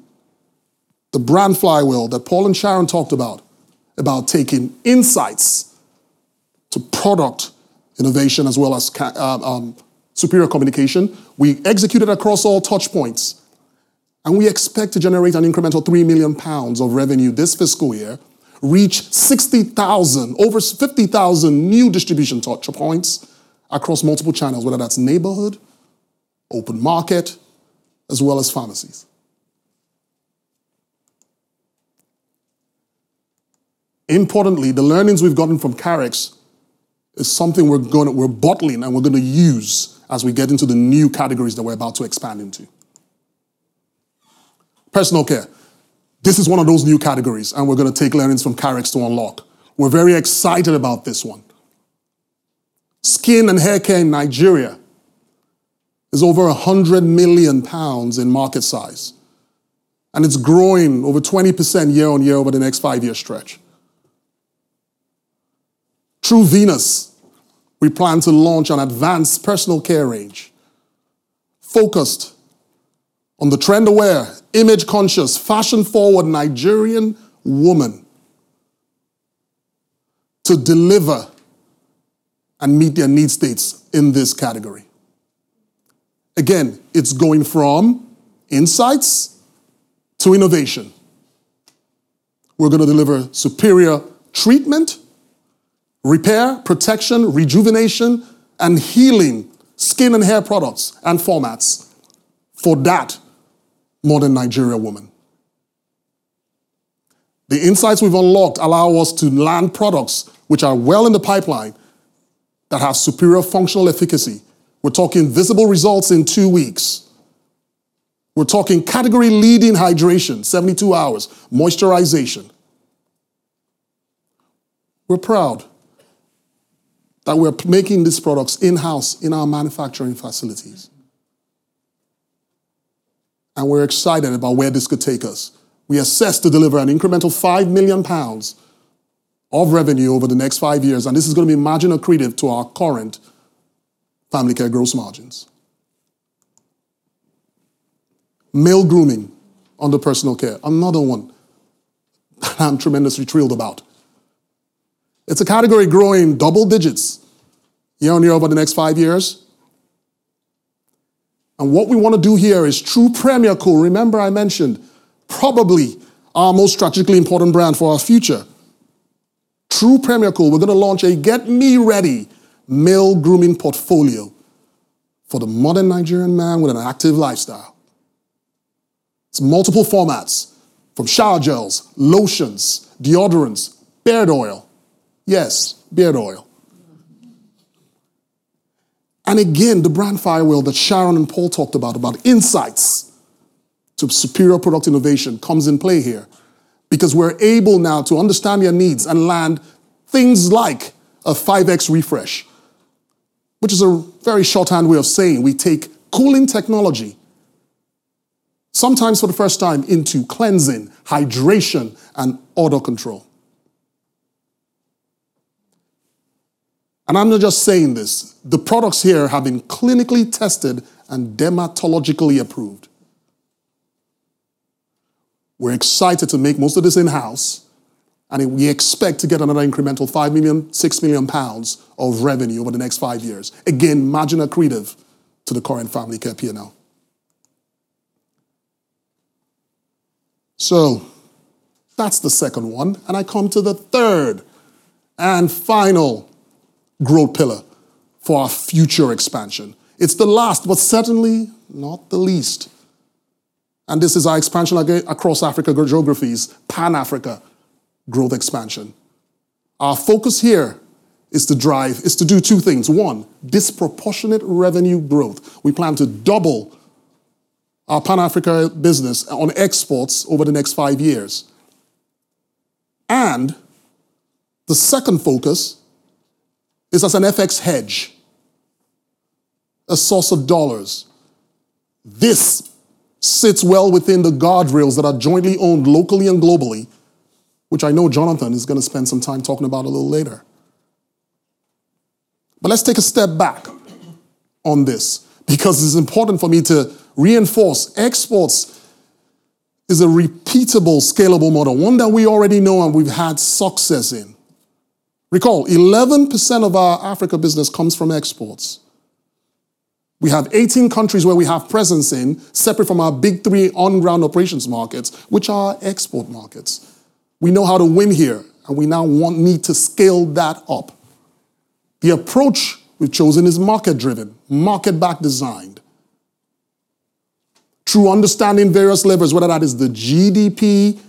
[SPEAKER 8] the brand flywheel that Paul and Sharon talked about taking insights to product innovation as well as superior communication, we executed across all touchpoints, and we expect to generate an incremental 3 million pounds of revenue this fiscal year, reach 60,000, over 50,000 new distribution touchpoints across multiple channels, whether that's neighborhood, open market, as well as pharmacies. Importantly, the learnings we've gotten from Carex is something we're bottling and we're gonna use as we get into the new categories that we're about to expand into. Personal care. This is one of those new categories. We're gonna take learnings from Carex to unlock. We're very excited about this one. Skin and hair care in Nigeria is over 100 million pounds in market size. It's growing over 20% year-on-year over the next five-year stretch. Through Venus, we plan to launch an advanced personal care range focused on the trend-aware, image-conscious, fashion-forward Nigerian woman to deliver and meet their need states in this category. It's going from insights to innovation. We're gonna deliver superior treatment, repair, protection, rejuvenation, and healing skin and hair products and formats for that modern Nigerian woman. The insights we've unlocked allow us to land products which are well in the pipeline that have superior functional efficacy. We're talking visible results in two weeks. We're talking category-leading hydration, 72 hours moisturization. We're proud that we're making these products in-house in our manufacturing facilities. We're excited about where this could take us. We assess to deliver an incremental 5 million pounds of revenue over the next five years, and this is gonna be margin accretive to our current family care gross margins. Male grooming under personal care, another one that I'm tremendously thrilled about. It's a category growing double digits year-on-year over the next five years. What we wanna do here is through Premier Cool, remember I mentioned probably our most strategically important brand for our future. Through Premier Cool, we're gonna launch a Get Me Ready male grooming portfolio for the modern Nigerian man with an active lifestyle. It's multiple formats from shower gels, lotions, deodorants, beard oil. Yes, beard oil. Again, the brand flywheel that Sharon and Paul talked about insights to superior product innovation comes in play here because we're able now to understand their needs and land things like a 5X refresh. Which is a very shorthand way of saying we take cooling technology, sometimes for the first time, into cleansing, hydration, and odor control. I'm not just saying this. The products here have been clinically tested and dermatologically approved. We're excited to make most of this in-house, and we expect to get another incremental 5 million-6 million pounds of revenue over the next five years. Again, margin accretive to the current Family Care P&L. That's the second one, and I come to the third and final growth pillar for our future expansion. It's the last, but certainly not the least. This is our expansion across Africa geographies, Pan-Africa growth expansion. Our focus here is to do two things. One, disproportionate revenue growth. We plan to double our Pan-Africa business on exports over the next five years. The second focus is as an FX hedge, a source of dollars. This sits well within the guardrails that are jointly owned locally and globally, which I know Jonathan is going to spend some time talking about a little later. Let's take a step back on this because it's important for me to reinforce exports is a repeatable, scalable model, one that we already know and we've had success in. Recall, 11% of our Africa business comes from exports. We have 18 countries where we have presence in, separate from our big three on-ground operations markets, which are export markets. We know how to win here, and we now need to scale that up. The approach we've chosen is market-driven, market-back designed. Through understanding various levers, whether that is the GDP,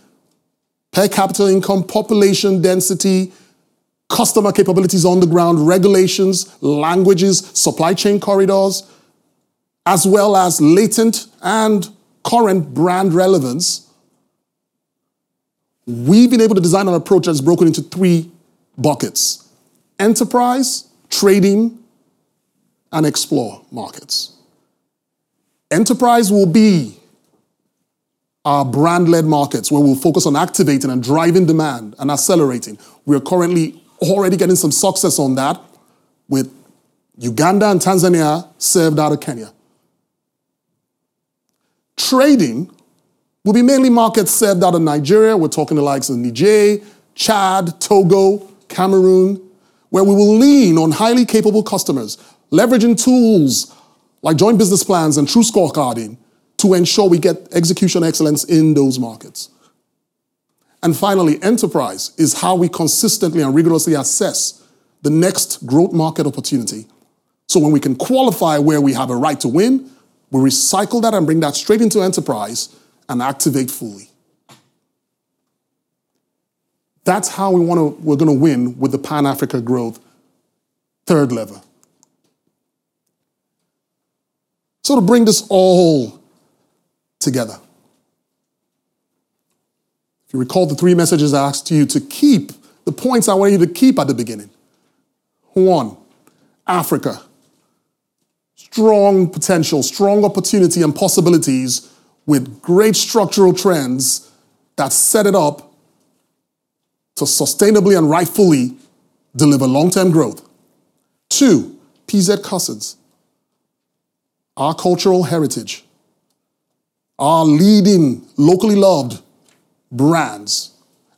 [SPEAKER 8] per capita income, population density, customer capabilities on the ground, regulations, languages, supply chain corridors, as well as latent and current brand relevance, we've been able to design an approach that's broken into three buckets: enterprise, trading, and explore markets. Enterprise will be our brand-led markets, where we'll focus on activating and driving demand and accelerating. We are currently already getting some success on that with Uganda and Tanzania served out of Kenya. Trading will be mainly markets served out of Nigeria. We're talking the likes of Niger, Chad, Togo, Cameroon, where we will lean on highly capable customers, leveraging tools like joint business plans and true scorecards to ensure we get execution excellence in those markets. Finally, enterprise is how we consistently and rigorously assess the next growth market opportunity. When we can qualify where we have a right to win, we recycle that and bring that straight into enterprise and activate fully. That's how we're going to win with the Pan-Africa growth third lever. To bring this all together, if you recall the three messages I asked you to keep, the points I want you to keep at the beginning. One, Africa. Strong potential, strong opportunity and possibilities with great structural trends that set it up to sustainably and rightfully deliver long-term growth. Two, PZ Cussons. Our cultural heritage, our leading locally loved brands,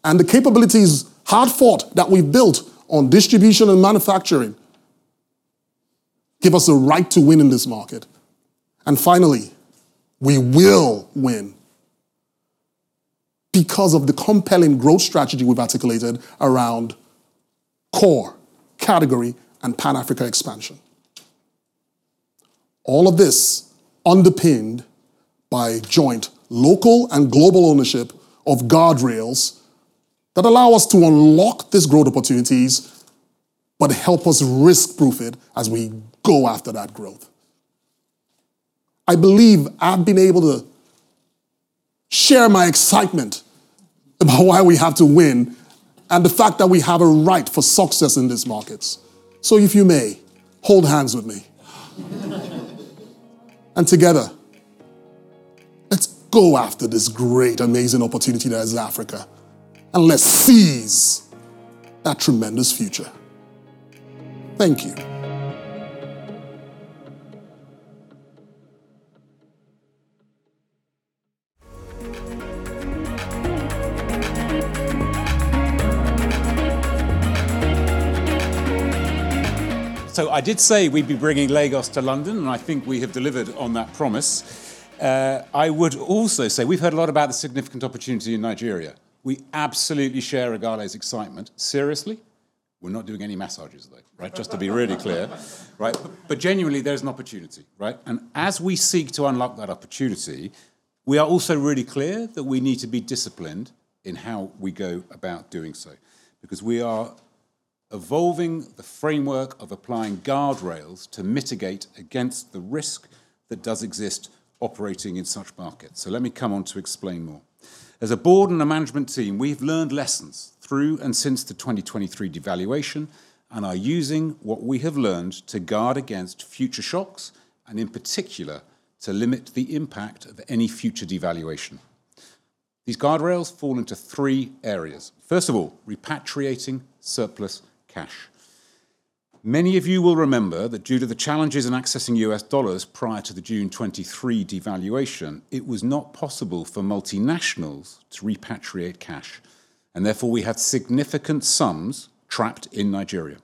[SPEAKER 8] and the capabilities, hard-fought, that we built on distribution and manufacturing give us a right to win in this market. Finally, we will win because of the compelling growth strategy we've articulated around core category and Pan-Africa expansion. All of this underpinned by joint local and global ownership of guardrails that allow us to unlock these growth opportunities but help us risk-proof it as we go after that growth. I believe I've been able to share my excitement about why we have to win and the fact that we have a right for success in these markets. If you may, hold hands with me. Together, let's go after this great, amazing opportunity that is Africa, and let's seize that tremendous future. Thank you.
[SPEAKER 1] I did say we'd be bringing Lagos to London, and I think we have delivered on that promise. I would also say we've heard a lot about the significant opportunity in Nigeria. We absolutely share Oghale's excitement. Seriously, we're not doing any massages though, right? Just to be really clear, right? Genuinely, there's an opportunity, right? As we seek to unlock that opportunity, we are also really clear that we need to be disciplined in how we go about doing so because we are evolving the framework of applying guardrails to mitigate against the risk that does exist operating in such markets. Let me come on to explain more. As a board and a management team, we've learned lessons through and since the 2023 devaluation and are using what we have learned to guard against future shocks and in particular to limit the impact of any future devaluation. These guardrails fall into three areas. First of all, repatriating surplus cash. Many of you will remember that due to the challenges in accessing U.S. dollars prior to the June 2023 devaluation, it was not possible for multinationals to repatriate cash, and therefore we had significant sums trapped in Nigeria.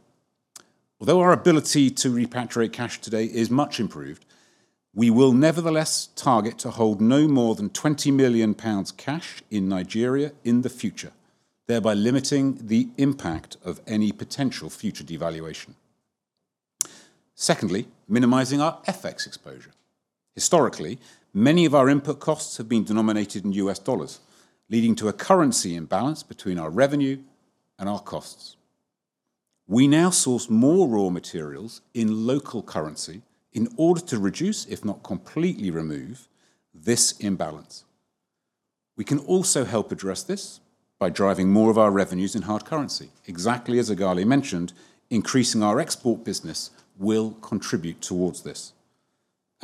[SPEAKER 1] Although our ability to repatriate cash today is much improved, we will nevertheless target to hold no more than 20 million pounds cash in Nigeria in the future, thereby limiting the impact of any potential future devaluation. Secondly, minimizing our FX exposure. Historically, many of our input costs have been denominated in U.S. dollars, leading to a currency imbalance between our revenue and our costs. We now source more raw materials in local currency in order to reduce, if not completely remove, this imbalance. We can also help address this by driving more of our revenues in hard currency. Exactly as Oghale mentioned, increasing our export business will contribute towards this.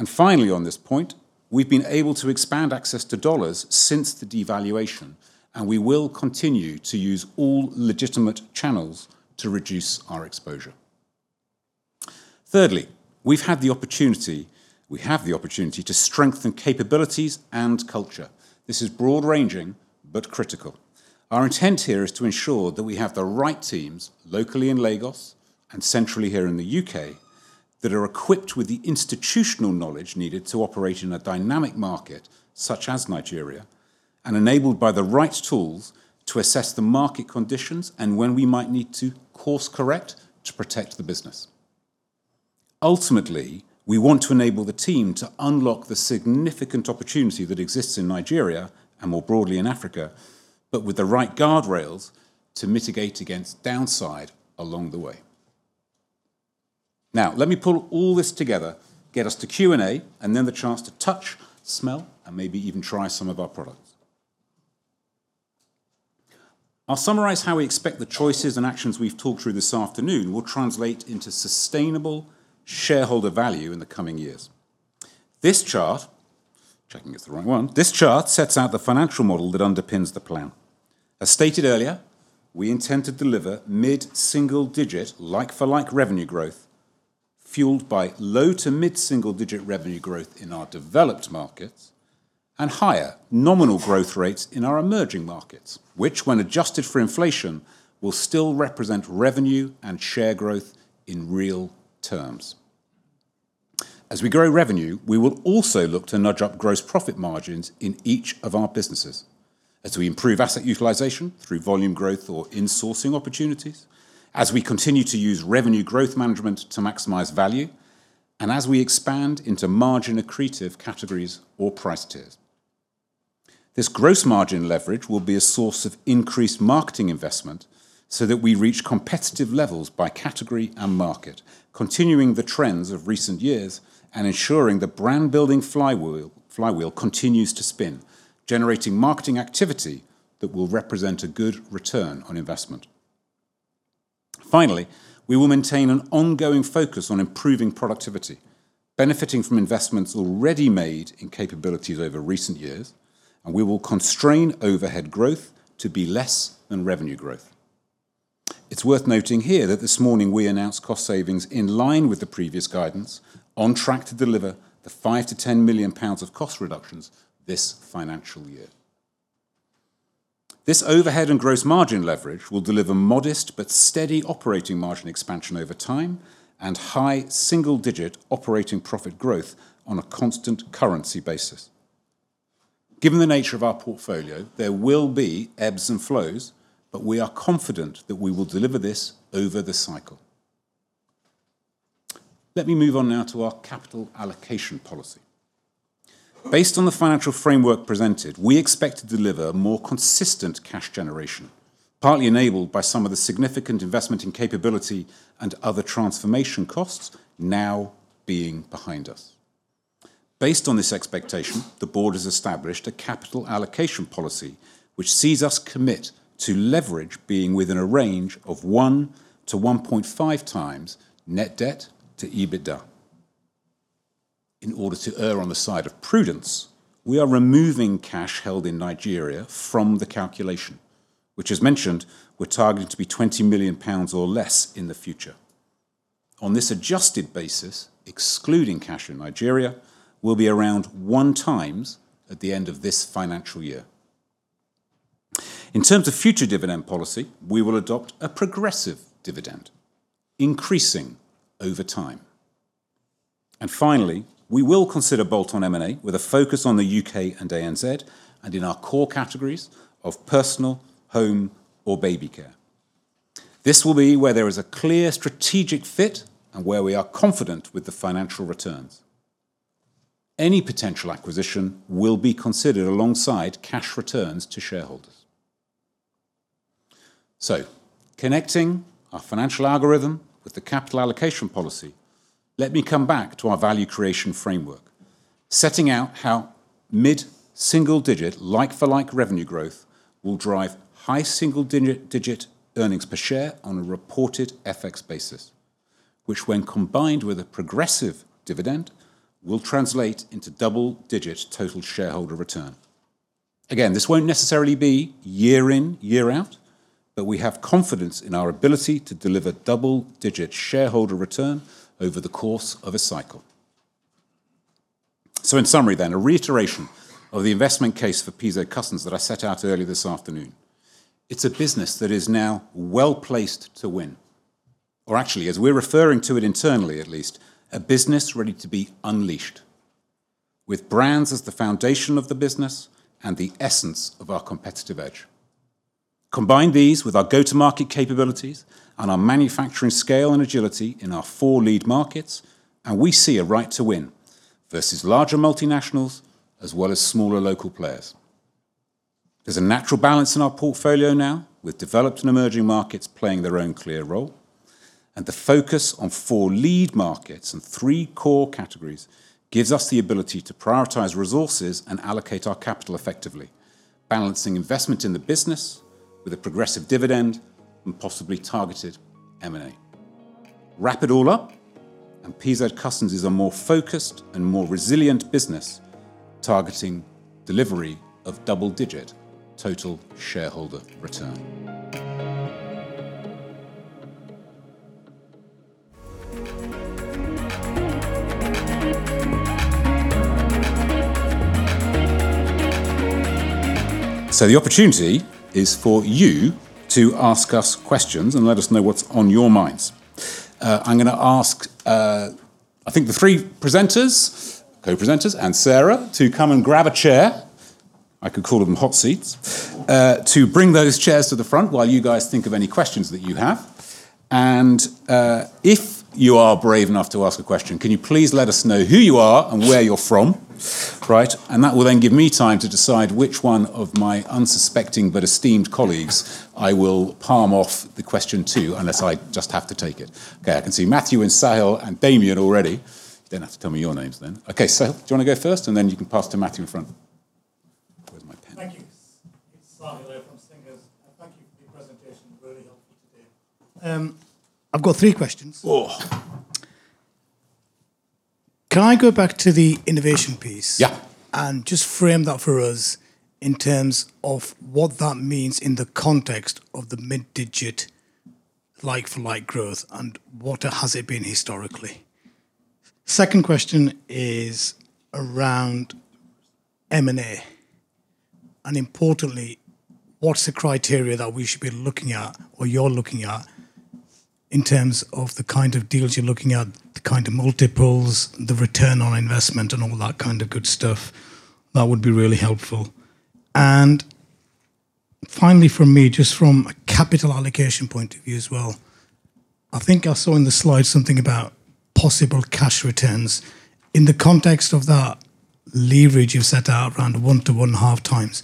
[SPEAKER 1] Finally, on this point, we've been able to expand access to dollars since the devaluation, and we will continue to use all legitimate channels to reduce our exposure. Thirdly, we have the opportunity to strengthen capabilities and culture. This is broad-ranging but critical. Our intent here is to ensure that we have the right teams locally in Lagos and centrally here in the U.K. That are equipped with the institutional knowledge needed to operate in a dynamic market such as Nigeria and enabled by the right tools to assess the market conditions and when we might need to course-correct to protect the business. Ultimately, we want to enable the team to unlock the significant opportunity that exists in Nigeria and more broadly in Africa, but with the right guardrails to mitigate against downside along the way. Now, let me pull all this together, get us to Q&A, and then the chance to touch, smell, and maybe even try some of our products. I'll summarize how we expect the choices and actions we've talked through this afternoon will translate into sustainable shareholder value in the coming years. This chart, checking it's the wrong one. This chart sets out the financial model that underpins the plan. As stated earlier, we intend to deliver mid-single digit like-for-like revenue growth, fueled by low to mid-single digit revenue growth in our developed markets and higher nominal growth rates in our emerging markets, which when adjusted for inflation, will still represent revenue and share growth in real terms. As we grow revenue, we will also look to nudge up gross profit margins in each of our businesses as we improve asset utilization through volume growth or insourcing opportunities, as we continue to use revenue growth management to maximize value, and as we expand into margin-accretive categories or price tiers. This gross margin leverage will be a source of increased marketing investment so that we reach competitive levels by category and market, continuing the trends of recent years and ensuring the brand-building flywheel continues to spin, generating marketing activity that will represent a good return on investment. We will maintain an ongoing focus on improving productivity, benefiting from investments already made in capabilities over recent years, and we will constrain overhead growth to be less than revenue growth. It's worth noting here that this morning we announced cost savings in line with the previous guidance on track to deliver the 5 million-10 million pounds of cost reductions this financial year. This overhead and gross margin leverage will deliver modest but steady operating margin expansion over time and high single-digit operating profit growth on a constant currency basis. Given the nature of our portfolio, there will be ebbs and flows, but we are confident that we will deliver this over the cycle. Let me move on now to our capital allocation policy. Based on the financial framework presented, we expect to deliver more consistent cash generation, partly enabled by some of the significant investment in capability and other transformation costs now being behind us. Based on this expectation, the board has established a capital allocation policy which sees us commit to leverage being within a range of 1x-1.5x net debt to EBITDA. In order to err on the side of prudence, we are removing cash held in Nigeria from the calculation, which as mentioned, we're targeting to be 20 million pounds or less in the future. On this adjusted basis, excluding cash in Nigeria, will be around 1x at the end of this financial year. In terms of future dividend policy, we will adopt a progressive dividend increasing over time. Finally, we will consider bolt-on M&A with a focus on the U.K. and ANZ and in our core categories of personal, home, or baby care. This will be where there is a clear strategic fit and where we are confident with the financial returns. Any potential acquisition will be considered alongside cash returns to shareholders. Connecting our financial algorithm with the capital allocation policy, let me come back to our value creation framework, setting out how Mid-single digit like-for-like revenue growth will drive high-single digit earnings per share on a reported F.X. basis, which when combined with a progressive dividend, will translate into double-digit total shareholder return. Again, this won't necessarily be year in, year out, but we have confidence in our ability to deliver double-digit shareholder return over the course of a cycle. In summary, a reiteration of the investment case for PZ Cussons that I set out earlier this afternoon. It's a business that is now well-placed to win, or actually as we're referring to it internally at least, a business ready to be unleashed with brands as the foundation of the business and the essence of our competitive edge. Combine these with our go-to-market capabilities and our manufacturing scale and agility in our four lead markets, we see a right to win versus larger multinationals as well as smaller local players. There's a natural balance in our portfolio now with developed and emerging markets playing their own clear role. The focus on four lead markets and three core categories gives us the ability to prioritize resources and allocate our capital effectively, balancing investment in the business with a progressive dividend and possibly targeted M&A. Wrap it all up. PZ Cussons is a more focused and more resilient business targeting delivery of double-digit total shareholder return. The opportunity is for you to ask us questions and let us know what's on your minds. I'm gonna ask, I think the three presenters, co-presenters, and Sarah to come and grab a chair, I could call them hot seats, to bring those chairs to the front while you guys think of any questions that you have. If you are brave enough to ask a question, can you please let us know who you are and where you're from? Right. That will then give me time to decide which one of my unsuspecting but esteemed colleagues I will palm off the question to, unless I just have to take it. Okay. I can see Matthew, and Sahil, and Damian already. You don't have to tell me your names then. Okay. Sahil, do you wanna go first? Then you can pass to Matthew in front. Where's my pen?
[SPEAKER 10] Thank you. It's Sahil here from Singer. Thank you for your presentation. Really helpful today. I've got three questions.
[SPEAKER 1] Oh.
[SPEAKER 10] Can I go back to the innovation piece-
[SPEAKER 1] Yeah
[SPEAKER 10] Just frame that for us in terms of what that means in the context of the mid-digit like-for like growth, and what has it been historically? Second question is around M&A. Importantly, what's the criteria that we should be looking at or you're looking at in terms of the kind of deals you're looking at, the kind of multiples, the return on investment, and all that kind of good stuff. That would be really helpful. Finally from me, just from a capital allocation point of view as well, I think I saw in the slide something about possible cash returns. In the context of that leverage you've set out around 1x-1.5x,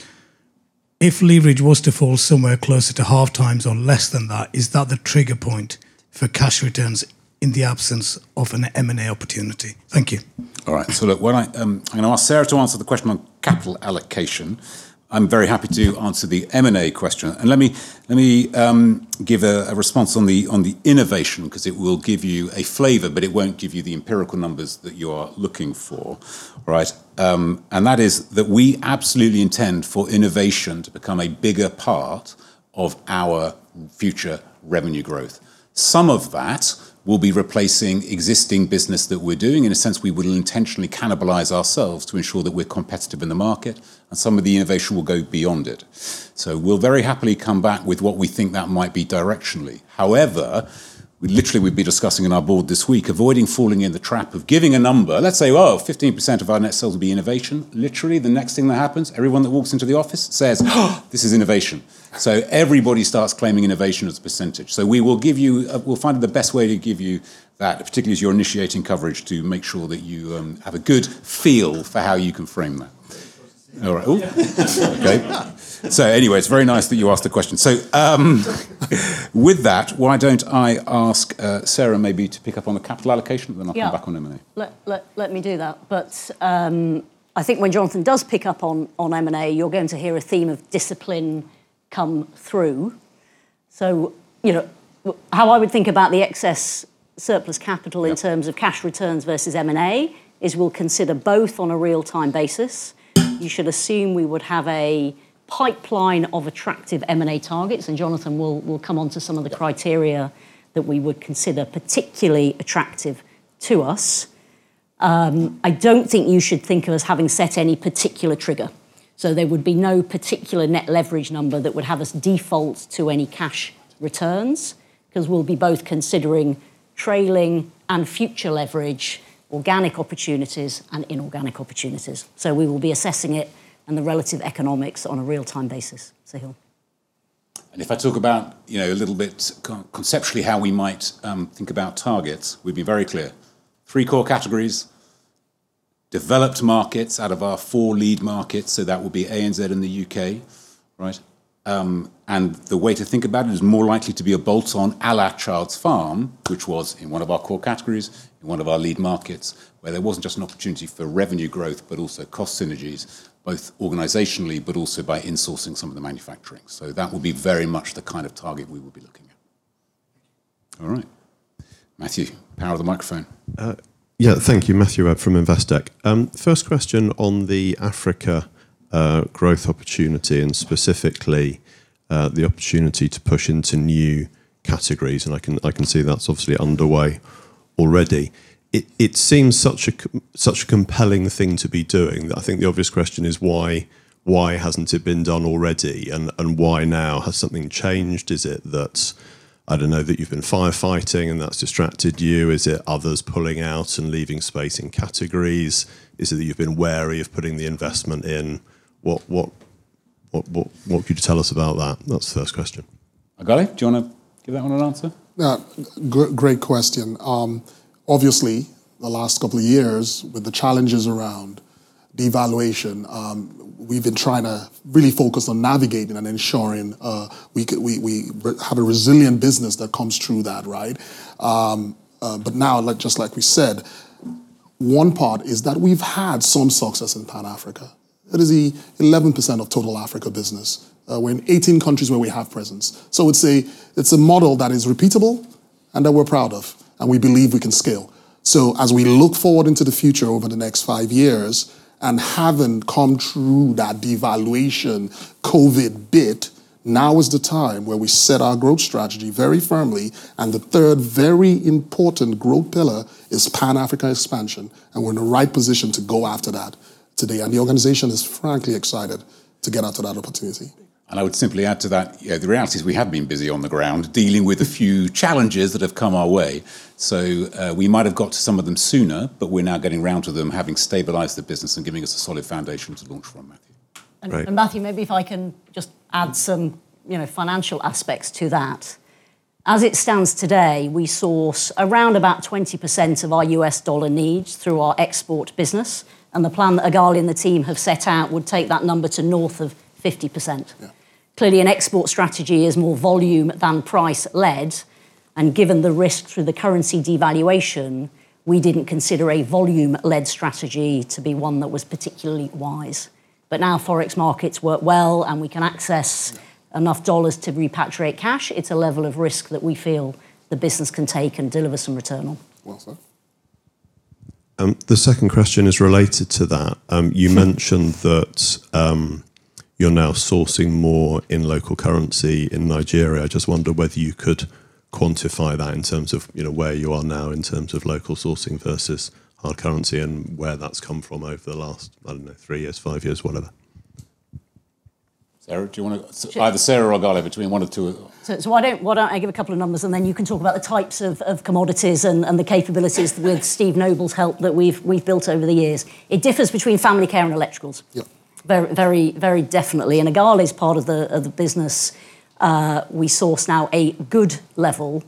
[SPEAKER 10] if leverage was to fall somewhere closer to 0.5x or less than that, is that the trigger point for cash returns in the absence of an M&A opportunity? Thank you.
[SPEAKER 1] All right. Look, why don't I'm gonna ask Sarah to answer the question on capital allocation. I'm very happy to answer the M&A question. Let me give a response on the innovation 'cause it will give you a flavor, but it won't give you the empirical numbers that you are looking for, right? That is that we absolutely intend for innovation to become a bigger part of our future revenue growth. Some of that will be replacing existing business that we're doing. In a sense we will intentionally cannibalize ourselves to ensure that we're competitive in the market, and some of the innovation will go beyond it. We'll very happily come back with what we think that might be directionally. We literally will be discussing in our board this week avoiding falling in the trap of giving a number. Let's say, oh, 15% of our net sales will be innovation. Literally the next thing that happens, everyone that walks into the office says, "This is innovation." Everybody starts claiming innovation as a percentage. We will give you, we'll find the best way to give you that, particularly as you're initiating coverage to make sure that you have a good feel for how you can frame that.
[SPEAKER 10] Great.
[SPEAKER 1] All right. Okay. Anyway, it's very nice that you asked the question. With that, why don't I ask Sarah maybe to pick up on the capital allocation.
[SPEAKER 11] Yeah
[SPEAKER 1] I'll come back on M&A.
[SPEAKER 11] Let me do that. I think when Jonathan does pick up on M&A, you're going to hear a theme of discipline come through. You know, how I would think about the excess surplus capital.
[SPEAKER 1] Yeah
[SPEAKER 11] in terms of cash returns versus M&A is we'll consider both on a real time basis. You should assume we would have a pipeline of attractive M&A targets, Jonathan will come onto some of the criteria that we would consider particularly attractive to us. I don't think you should think of us having set any particular trigger. There would be no particular net leverage number that would have us default to any cash returns 'cause we'll be both considering trailing and future leverage, organic opportunities, and inorganic opportunities. We will be assessing it and the relative economics on a real time basis. Sahil.
[SPEAKER 1] If I talk about, you know, a little bit conceptually how we might think about targets, we'd be very clear. Three core categories, developed markets out of our four lead markets, so that would be ANZ and the U.K., right? The way to think about it is more likely to be a bolt-on a la Childs Farm, which was in one of our core categories in one of our lead markets, where there wasn't just an opportunity for revenue growth, but also cost synergies, both organizationally, but also by insourcing some of the manufacturing. That will be very much the kind of target we will be looking at. All right. Matthew, power of the microphone.
[SPEAKER 12] Yeah. Thank you. Matthew Webb from Investec. First question on the Africa growth opportunity, and specifically, the opportunity to push into new categories, and I can see that's obviously underway already. It seems such a compelling thing to be doing that I think the obvious question is why hasn't it been done already, and why now? Has something changed? Is it that, I don't know, that you've been firefighting and that's distracted you? Is it others pulling out and leaving space in categories? Is it that you've been wary of putting the investment in? What could you tell us about that? That's the first question.
[SPEAKER 1] Oghale, do you wanna give that one an answer?
[SPEAKER 8] Yeah. Great question. Obviously, the last couple of years with the challenges around devaluation, we've been trying to really focus on navigating and ensuring we have a resilient business that comes through that, right? Now, like, just like we said, one part is that we've had some success in Pan-Africa. It is the 11% of total Africa business. We're in 18 countries where we have presence. It's a, it's a model that is repeatable and that we're proud of, and we believe we can scale. As we look forward into the future over the next five years. Having come through that devaluation COVID bit, now is the time where we set our growth strategy very firmly. The third very important growth pillar is Pan-Africa expansion. We're in the right position to go after that today. The organization is frankly excited to get after that opportunity.
[SPEAKER 1] I would simply add to that, you know, the reality is we have been busy on the ground dealing with a few challenges that have come our way. We might have got to some of them sooner, but we're now getting around to them, having stabilized the business and giving us a solid foundation to launch from, Matthew.
[SPEAKER 12] Great.
[SPEAKER 11] Matthew, maybe if I can just add some, you know, financial aspects to that. As it stands today, we source around about 20% of our U.S. dollar needs through our export business. The plan that Oghale and the team have set out would take that number to north of 50%.
[SPEAKER 8] Yeah.
[SPEAKER 11] Clearly, an export strategy is more volume than price-led, and given the risk through the currency devaluation, we didn't consider a volume-led strategy to be one that was particularly wise. Now forex markets work well, and we can access enough dollars to repatriate cash. It's a level of risk that we feel the business can take and deliver some return on.
[SPEAKER 1] Well said.
[SPEAKER 12] The second question is related to that. You mentioned that you're now sourcing more in local currency in Nigeria. I just wonder whether you could quantify that in terms of, you know, where you are now in terms of local sourcing versus hard currency and where that's come from over the last, I don't know, three years, five years, whatever.
[SPEAKER 1] Sarah, do you wanna-
[SPEAKER 11] Sure.
[SPEAKER 1] Either Sarah or Oghale between one or two.
[SPEAKER 11] Why don't I give a couple of numbers, and then you can talk about the types of commodities and the capabilities with Steve Noble's help that we've built over the years. It differs between family care and electricals.
[SPEAKER 8] Yep.
[SPEAKER 11] Very, very definitely. In Oghale's part of the business, we source now a good level.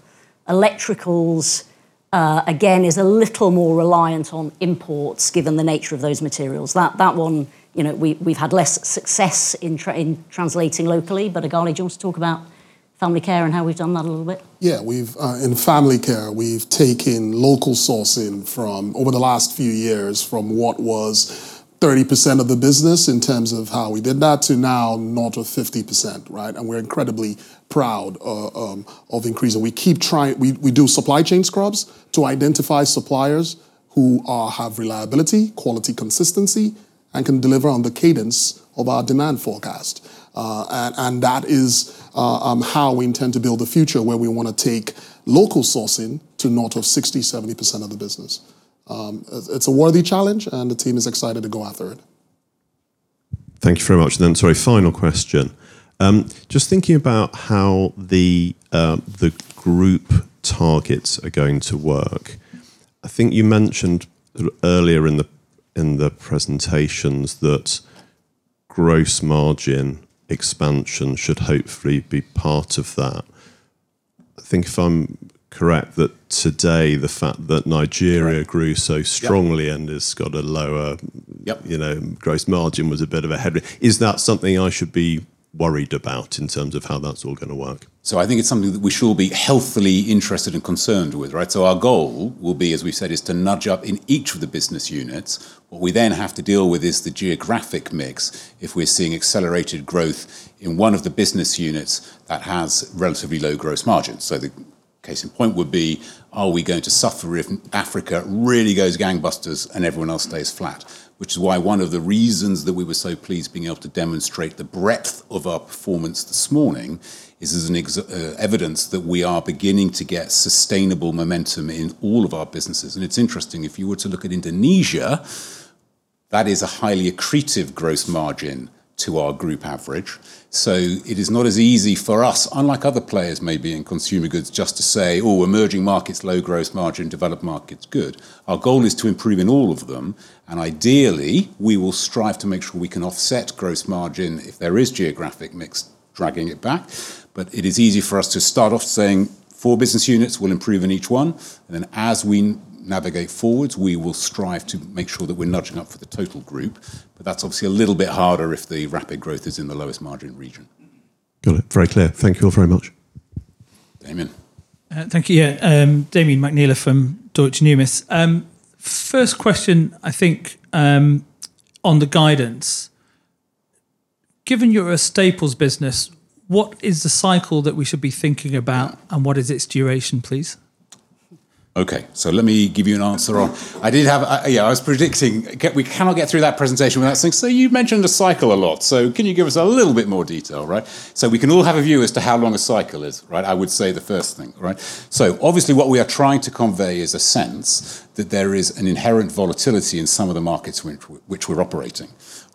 [SPEAKER 11] Electricals, again, is a little more reliant on imports given the nature of those materials. That one, you know, we've had less success in translating locally. Oghale, do you want to talk about family care and how we've done that a little bit?
[SPEAKER 8] Yeah. In family care, we've taken local sourcing from over the last few years from what was 30% of the business in terms of how we did that to now north of 50%, right? We're incredibly proud of increasing. We keep trying... We do supply chain scrubs to identify suppliers who have reliability, quality consistency, and can deliver on the cadence of our demand forecast. That is how we intend to build the future where we wanna take local sourcing to north of 60%, 70% of the business. It's a worthy challenge, the team is excited to go after it.
[SPEAKER 12] Thank you very much. Sorry, final question. Just thinking about how the group targets are going to work. I think you mentioned earlier in the presentations that gross margin expansion should hopefully be part of that. I think if I'm correct, that today the fact that Nigeria grew so strongly.
[SPEAKER 1] Yep
[SPEAKER 12] And has got a lower-
[SPEAKER 1] Yep
[SPEAKER 12] You know, gross margin was a bit of a headwind. Is that something I should be worried about in terms of how that's all gonna work?
[SPEAKER 1] I think it's something that we should all be healthily interested and concerned with, right? Our goal will be, as we've said, is to nudge up in each of the business units. What we then have to deal with is the geographic mix if we're seeing accelerated growth in one of the business units that has relatively low gross margins. The case in point would be, are we going to suffer if Africa really goes gangbusters and everyone else stays flat? Which is why one of the reasons that we were so pleased being able to demonstrate the breadth of our performance this morning is as evidence that we are beginning to get sustainable momentum in all of our businesses. It's interesting, if you were to look at Indonesia, that is a highly accretive gross margin to our group average. It is not as easy for us, unlike other players maybe in consumer goods, just to say, "Oh, emerging markets, low gross margin, developed markets, good." Our goal is to improve in all of them, and ideally, we will strive to make sure we can offset gross margin if there is geographic mix dragging it back. It is easy for us to start off saying four business units, we'll improve in each one. As we navigate forwards, we will strive to make sure that we're nudging up for the total group. That's obviously a little bit harder if the rapid growth is in the lowest margin region.
[SPEAKER 12] Got it. Very clear. Thank you all very much.
[SPEAKER 1] Damian
[SPEAKER 13] Thank you. Yeah. Damian McNeela from Deutsche Numis. First question I think on the guidance. Given you're a staples business, what is the cycle that we should be thinking about, and what is its duration, please?
[SPEAKER 1] Okay. Let me give you an answer. Yeah, I was predicting we cannot get through that presentation without saying, "So you've mentioned the cycle a lot, so can you give us a little bit more detail?" Right? We can all have a view as to how long a cycle is, right? I would say the first thing, right? Obviously what we are trying to convey is a sense that there is an inherent volatility in some of the markets which we're operating,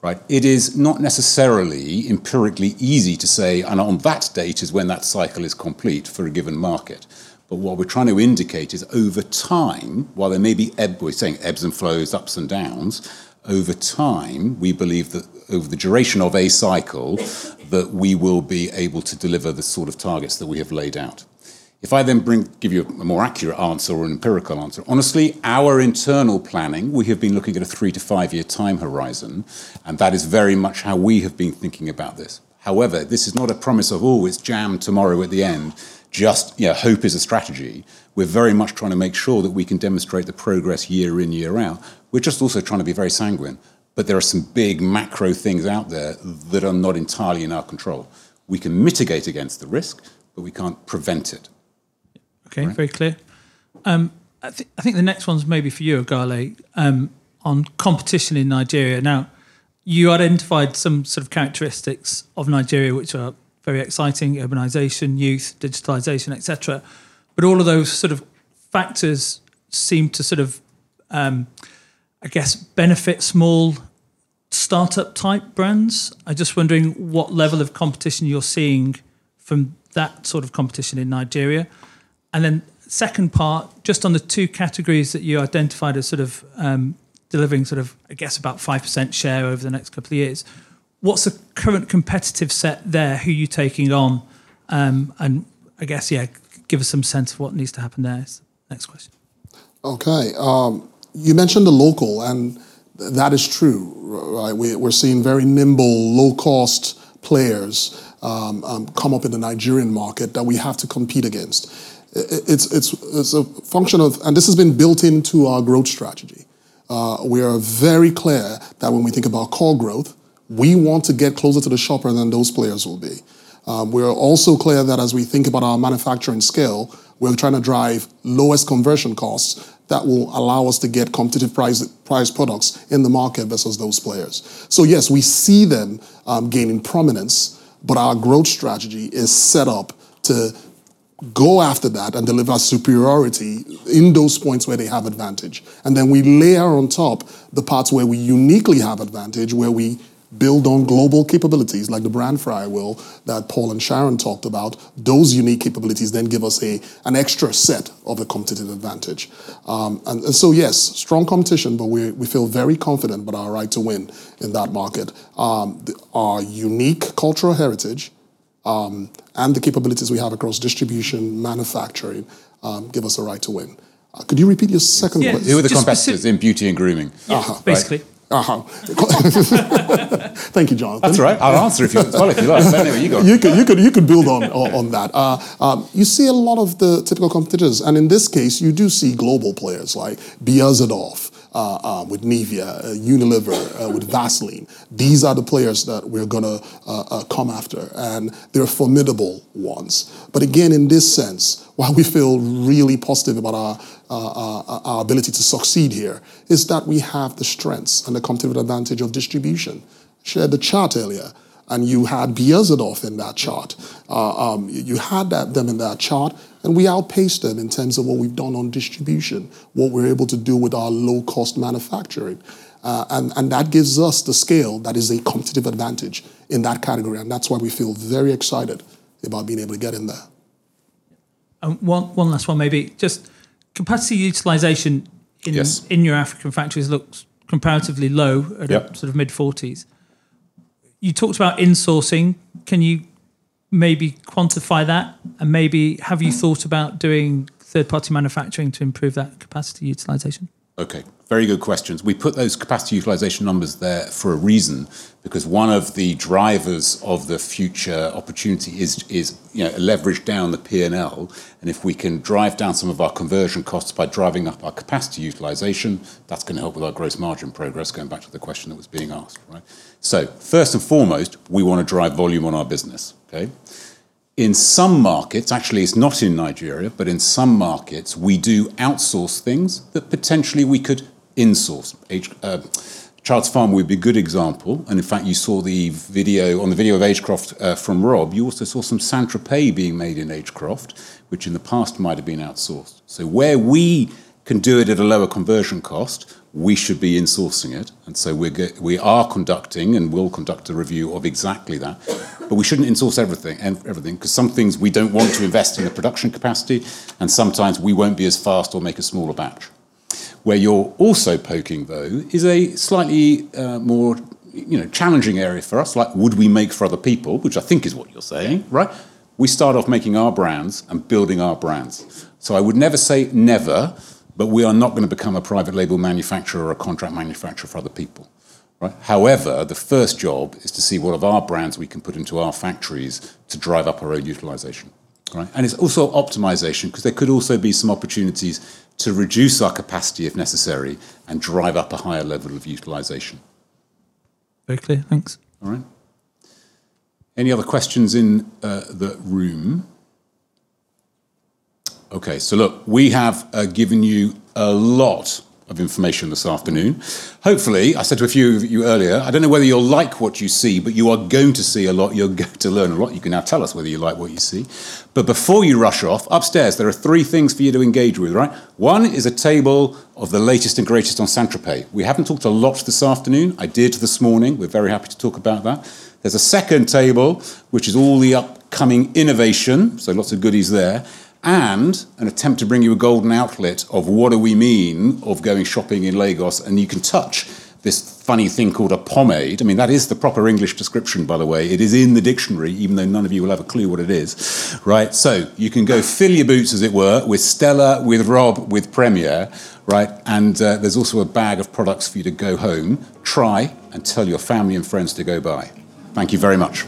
[SPEAKER 1] right? It is not necessarily empirically easy to say, "On that date is when that cycle is complete for a given market," but what we're trying to indicate is over time, while there may be ebbs, we're saying ebbs and flows, ups and downs, over time, we believe that over the duration of a cycle, that we will be able to deliver the sort of targets that we have laid out. If I bring, give you a more accurate answer or an empirical answer, honestly, our internal planning, we have been looking at a three to five-year time horizon, That is very much how we have been thinking about this. However, this is not a promise of, "Oh, it's jam tomorrow at the end." Just, you know, hope is a strategy. We're very much trying to make sure that we can demonstrate the progress year in, year out. We're just also trying to be very sanguine. There are some big macro things out there that are not entirely in our control. We can mitigate against the risk, but we can't prevent it.
[SPEAKER 13] Okay.
[SPEAKER 1] All right?
[SPEAKER 13] Very clear. I think the next one's maybe for you, Oghale, on competition in Nigeria. Now, you identified some sort of characteristics of Nigeria which are very exciting, urbanization, youth, digitization, et cetera, but all of those sort of factors seem to sort of, I guess, benefit small startup-type brands. I was just wondering what level of competition you're seeing from that sort of competition in Nigeria. Second part, just on the two categories that you identified as sort of, delivering sort of, I guess, about 5% share over the next couple of years, what's the current competitive set there? Who are you taking on? I guess, yeah, give us some sense of what needs to happen there is next question.
[SPEAKER 8] Okay. You mentioned the local, and that is true. Right? We're seeing very nimble low-cost players come up in the Nigerian market that we have to compete against. It's a function of... This has been built into our growth strategy. We are very clear that when we think about core growth, we want to get closer to the shopper than those players will be. We're also clear that as we think about our manufacturing scale, we're trying to drive lowest conversion costs that will allow us to get competitive price, priced products in the market versus those players. Yes, we see them gaining prominence, but our growth strategy is set up to go after that and deliver superiority in those points where they have advantage. Then we layer on top the parts where we uniquely have advantage, where we build on global capabilities, like the brand flywheel that Paul and Sharon talked about. Those unique capabilities then give us an extra set of a competitive advantage. So yes, strong competition, but we feel very confident about our right to win in that market. Our unique cultural heritage, and the capabilities we have across distribution, manufacturing, give us a right to win. Could you repeat your second question?
[SPEAKER 13] Yes. Just specific-
[SPEAKER 1] Who are the competitors in beauty and grooming?
[SPEAKER 8] Uh.
[SPEAKER 13] Yes.
[SPEAKER 1] Right?
[SPEAKER 13] Basically.
[SPEAKER 8] Thank you, Jonathan.
[SPEAKER 1] That's all right. I'll answer if you want, if you like. No, you go.
[SPEAKER 8] You could build on that. You see a lot of the typical competitors, and in this case, you do see global players like Beiersdorf with Nivea, Unilever with Vaseline. These are the players that we're gonna come after, and they're formidable ones. But again, in this sense, why we feel really positive about our ability to succeed here is that we have the strengths and the competitive advantage of distribution. Shared the chart earlier, and you had Beiersdorf in that chart. You had them in that chart, and we outpaced them in terms of what we've done on distribution, what we're able to do with our low-cost manufacturing. That gives us the scale that is a competitive advantage in that category, and that's why we feel very excited about being able to get in there.
[SPEAKER 13] One last one maybe. Just capacity utilization.
[SPEAKER 8] Yes...
[SPEAKER 13] In your African factories looks comparatively low...
[SPEAKER 8] Yep...
[SPEAKER 13] At sort of mid-40s. You talked about insourcing. Can you maybe quantify that, and maybe have you thought about doing third-party manufacturing to improve that capacity utilization?
[SPEAKER 1] Okay. Very good questions. We put those capacity utilization numbers there for a reason, because one of the drivers of the future opportunity is, you know, leverage down the P&L, and if we can drive down some of our conversion costs by driving up our capacity utilization, that's gonna help with our gross margin progress, going back to the question that was being asked, right? First and foremost, we wanna drive volume on our business, okay? In some markets, actually it's not in Nigeria, but in some markets we do outsource things that potentially we could insource. Childs Farm would be a good example, and in fact, you saw the video, on the video of Agecroft, from Rob, you also saw some St.Tropez being made in Agecroft, which in the past might have been outsourced. Where we can do it at a lower conversion cost, we should be insourcing it, and so we are conducting and will conduct a review of exactly that. We shouldn't insource everything, 'cause some things we don't want to invest in the production capacity, and sometimes we won't be as fast or make a smaller batch. Where you're also poking, though, is a slightly more, you know, challenging area for us, like would we make for other people, which I think is what you're saying, right? We start off making our brands and building our brands. I would never say never, but we are not gonna become a private label manufacturer or a contract manufacturer for other people, right? However, the first job is to see what of our brands we can put into our factories to drive up our own utilization. All right? It's also optimization, 'cause there could also be some opportunities to reduce our capacity if necessary and drive up a higher level of utilization.
[SPEAKER 13] Very clear. Thanks.
[SPEAKER 1] All right. Any other questions in the room? Okay, look, we have given you a lot of information this afternoon. Hopefully, I said to a few of you earlier, I don't know whether you'll like what you see, you are going to see a lot, you're going to learn a lot. You can now tell us whether you like what you see. Before you rush off, upstairs there are three things for you to engage with, right? 1 is a table of the latest and greatest on St.Tropez. We haven't talked a lot this afternoon. I did this morning. We're very happy to talk about that. There's a second table which is all the upcoming innovation, so lots of goodies there, and an attempt to bring you a golden outlet of what do we mean of going shopping in Lagos, and you can touch this funny thing called a pomade. I mean, that is the proper English description, by the way. It is in the dictionary, even though none of you will have a clue what it is. Right? You can go fill your boots, as it were, with Stella, with Robb, with Premier, right? There's also a bag of products for you to go home, try, and tell your family and friends to go buy. Thank you very much.